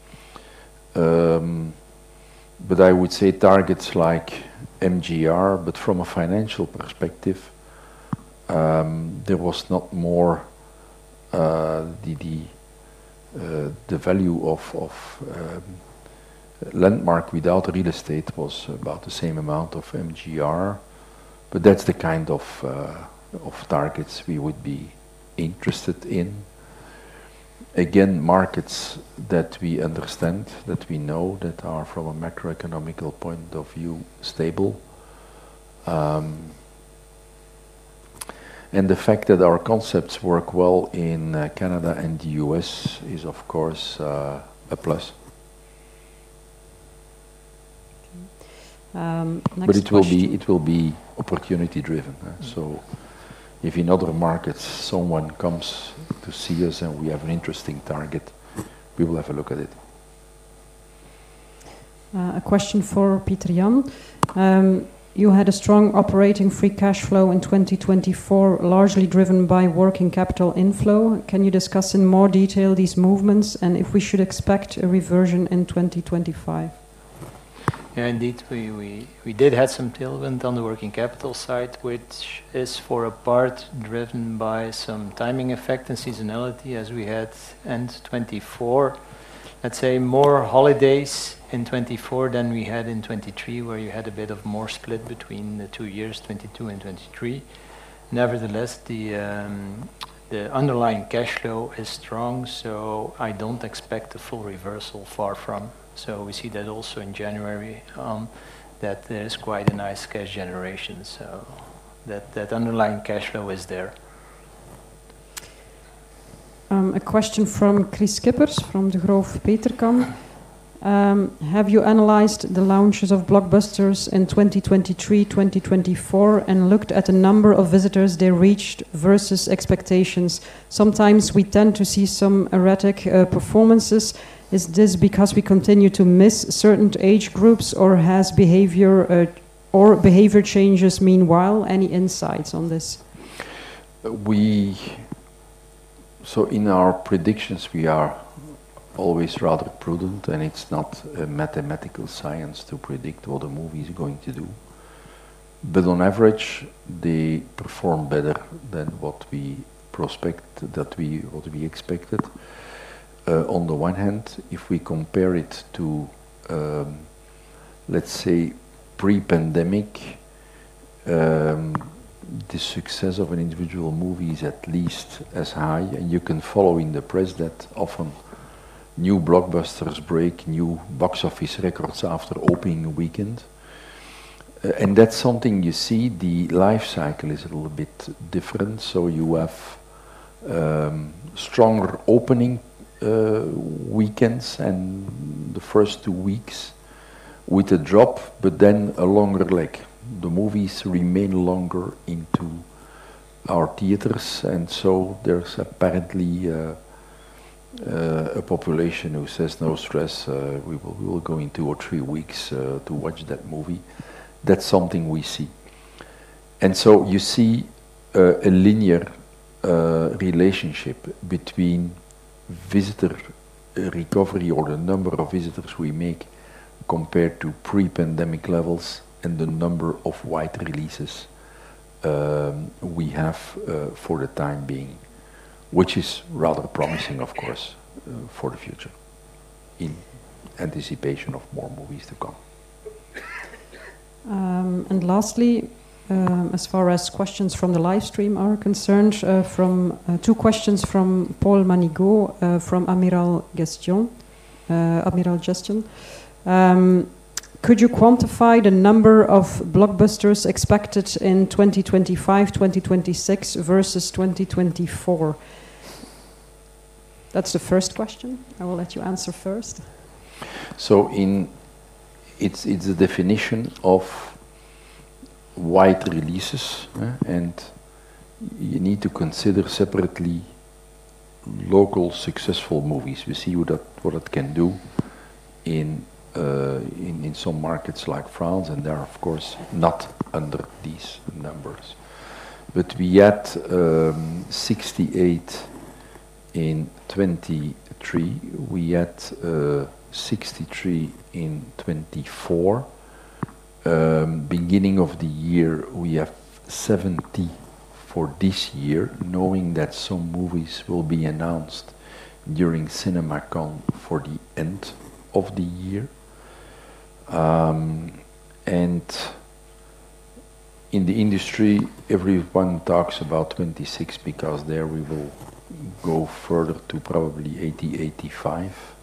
But I would say targets like MJR, but from a financial perspective, there was not more the value of Landmark without real estate was about the same amount of MJR. But that's the kind of targets we would be interested in. Again, markets that we understand, that we know that are from a macroeconomic point of view stable. And the fact that our concepts work well in Canada and the US is, of course, a plus. But it will be opportunity-driven. So if in other markets someone comes to see us and we have an interesting target, we will have a look at it. A question for Pieter-Jan. You had a strong operating free cash flow in 2024, largely driven by working capital inflow. Can you discuss in more detail these movements and if we should expect a reversion in 2025? Yeah, indeed, we did have some tailwind on the working capital side, which is for a part driven by some timing effect and seasonality as we had end 2024. Let's say more holidays in 2024 than we had in 2023, where you had a bit of more split between the two years, 2022 and 2023. Nevertheless, the underlying cash flow is strong, so I don't expect a full reversal, far from. So we see that also in January, that there is quite a nice cash generation. So that underlying cash flow is there. A question from Kris Kippers from Degroof Petercam. Have you analyzed the launches of blockbusters in 2023, 2024, and looked at the number of visitors they reached versus expectations? Sometimes we tend to see some erratic performances. Is this because we continue to miss certain age groups, or has behavior or behavior changes meanwhile? Any insights on this? So in our predictions, we are always rather prudent, and it's not mathematical science to predict what a movie is going to do. But on average, they perform better than what we projected, that we expected. On the one hand, if we compare it to, let's say, pre-pandemic, the success of an individual movie is at least as high. And you can follow in the press that often new blockbusters break new box office records after opening weekend. And that's something you see. The life cycle is a little bit different. So you have stronger opening weekends and the first two weeks with a drop, but then a longer leg. The movies remain longer into our theaters. And so there's apparently a population who says, "No stress. We will go in two or three weeks to watch that movie." That's something we see, and so you see a linear relationship between visitor recovery or the number of visitors we make compared to pre-pandemic levels and the number of wide releases we have for the time being, which is rather promising, of course, for the future in anticipation of more movies to come, and lastly, as far as questions from the live stream are concerned, two questions from Paul Manigaud from Amiral Gestion. Amiral Gestion. Could you quantify the number of blockbusters expected in 2025, 2026 versus 2024? That's the first question. I will let you answer first. So it's a definition of wide releases, and you need to consider separately local successful movies. We see what it can do in some markets like France, and they're, of course, not under these numbers. But we had 68 in 2023. We had 63 in 2024. Beginning of the year, we have 70 for this year, knowing that some movies will be announced during CinemaCo for the end of the year. And in the industry, everyone talks about 2026 because there we will go further to probably 80, 85.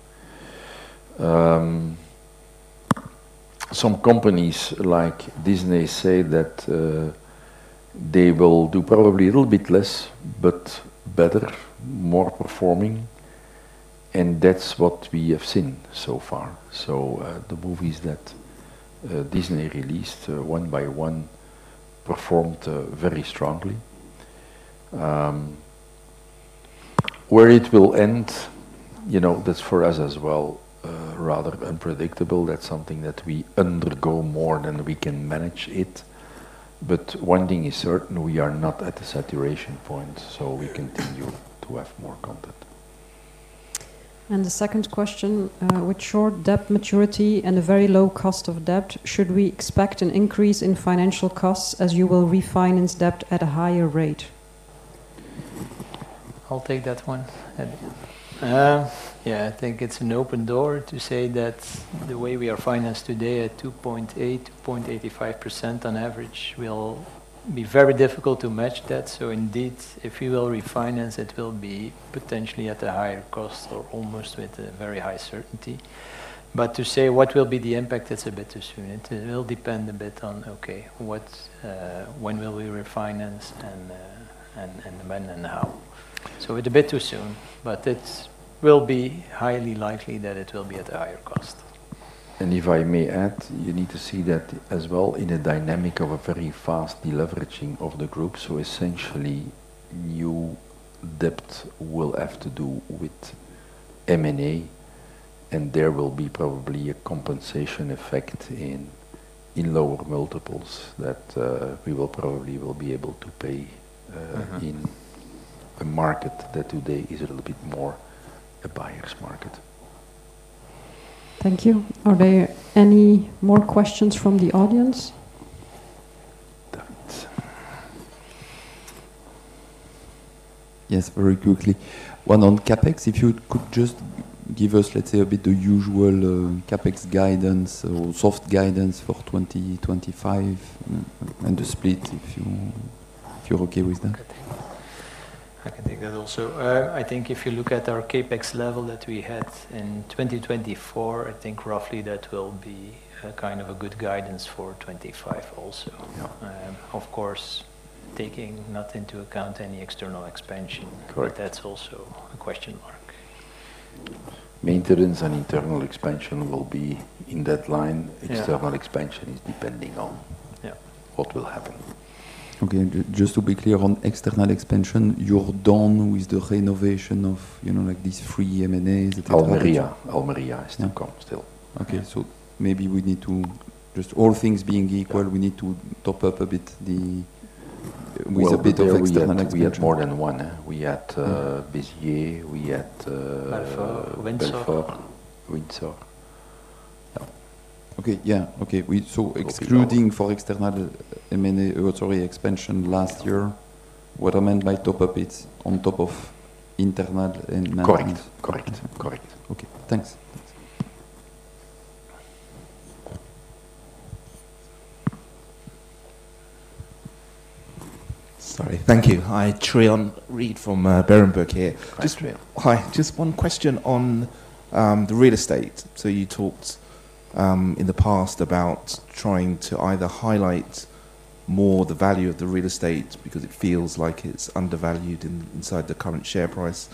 Some companies like Disney say that they will do probably a little bit less, but better, more performing. And that's what we have seen so far. So the movies that Disney released one by one performed very strongly. Where it will end, that's for us as well rather unpredictable. That's something that we undergo more than we can manage it. But one thing is certain. We are not at a saturation point, so we continue to have more content. The second question, with short debt maturity and a very low cost of debt, should we expect an increase in financial costs as you will refinance debt at a higher rate? I'll take that one. Yeah, I think it's an open door to say that the way we are financed today at 2.8%-2.85% on average will be very difficult to match that. Indeed, if we will refinance, it will be potentially at a higher cost or almost with a very high certainty. To say what will be the impact, that's a bit too soon. It will depend a bit on, okay, when will we refinance and when and how. It's a bit too soon, but it will be highly likely that it will be at a higher cost. And if I may add, you need to see that as well in a dynamic of a very fast deleveraging of the group. So essentially, new debt will have to do with M&A, and there will be probably a compensation effect in lower multiples that we will probably be able to pay in a market that today is a little bit more a buyer's market. Thank you. Are there any more questions from the audience? Yes, very quickly. One on CapEx. If you could just give us, let's say, a bit of the usual CapEx guidance or soft guidance for 2025 and the split, if you're okay with that. I can take that also. I think if you look at our CapEx level that we had in 2024, I think roughly that will be kind of a good guidance for 2025 also. Of course, taking not into account any external expansion, but that's also a question mark. Maintenance and internal expansion will be in that line. External expansion is depending on what will happen. Okay. Just to be clear on external expansion, you're done with the renovation of these three M&As that are happening? Almería. Almería is still. Okay. So maybe we need to just all things being equal, we need to top up a bit with a bit of external expansion. We had more than one. We had Béziers. We had Alpha. Windsor. Yeah. Okay. So excluding for external M&A, sorry, expansion last year, what I meant by top up, it's on top of internal and maintenance. Correct. Okay. Thanks. Thank you. Hi, Trion Reid from Berenberg here. Hi, just one question on the real estate. So you talked in the past about trying to either highlight more the value of the real estate because it feels like it's undervalued inside the current share price,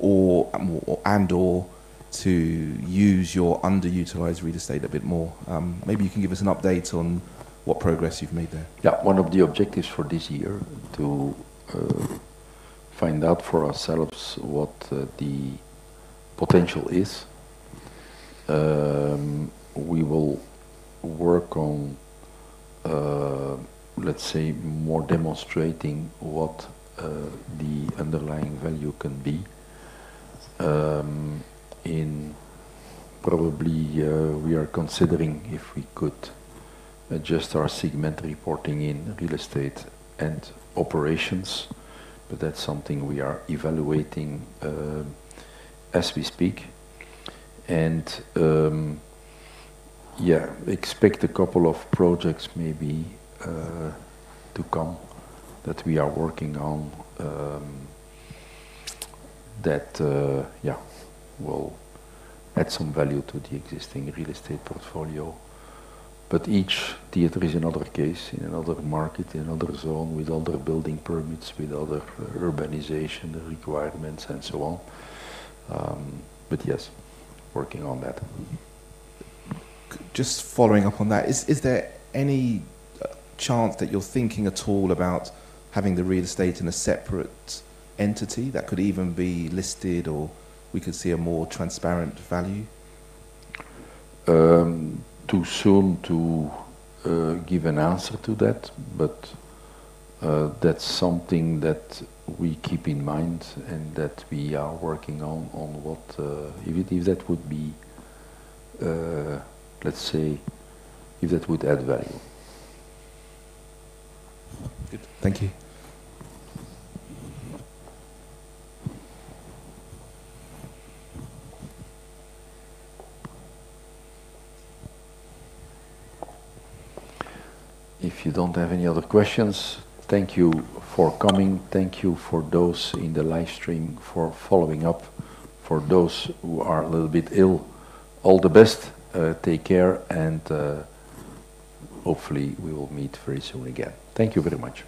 and/or to use your underutilized real estate a bit more. Maybe you can give us an update on what progress you've made there. Yeah. One of the objectives for this year to find out for ourselves what the potential is. We will work on, let's say, more demonstrating what the underlying value can be. Probably we are considering if we could adjust our segment reporting in real estate and operations, but that's something we are evaluating as we speak. And yeah, expect a couple of projects maybe to come that we are working on that, yeah, will add some value to the existing real estate portfolio. But each theater is in another case, in another market, in another zone with other building permits, with other urbanization requirements, and so on. But yes, working on that. Just following up on that, is there any chance that you're thinking at all about having the real estate in a separate entity that could even be listed or we could see a more transparent value? Too soon to give an answer to that, but that's something that we keep in mind and that we are working on if that would be, let's say, if that would add value. Good. Thank you. If you don't have any other questions, thank you for coming. Thank you for those in the live stream for following up. For those who are a little bit ill, all the best. Take care, and hopefully we will meet very soon again. Thank you very much.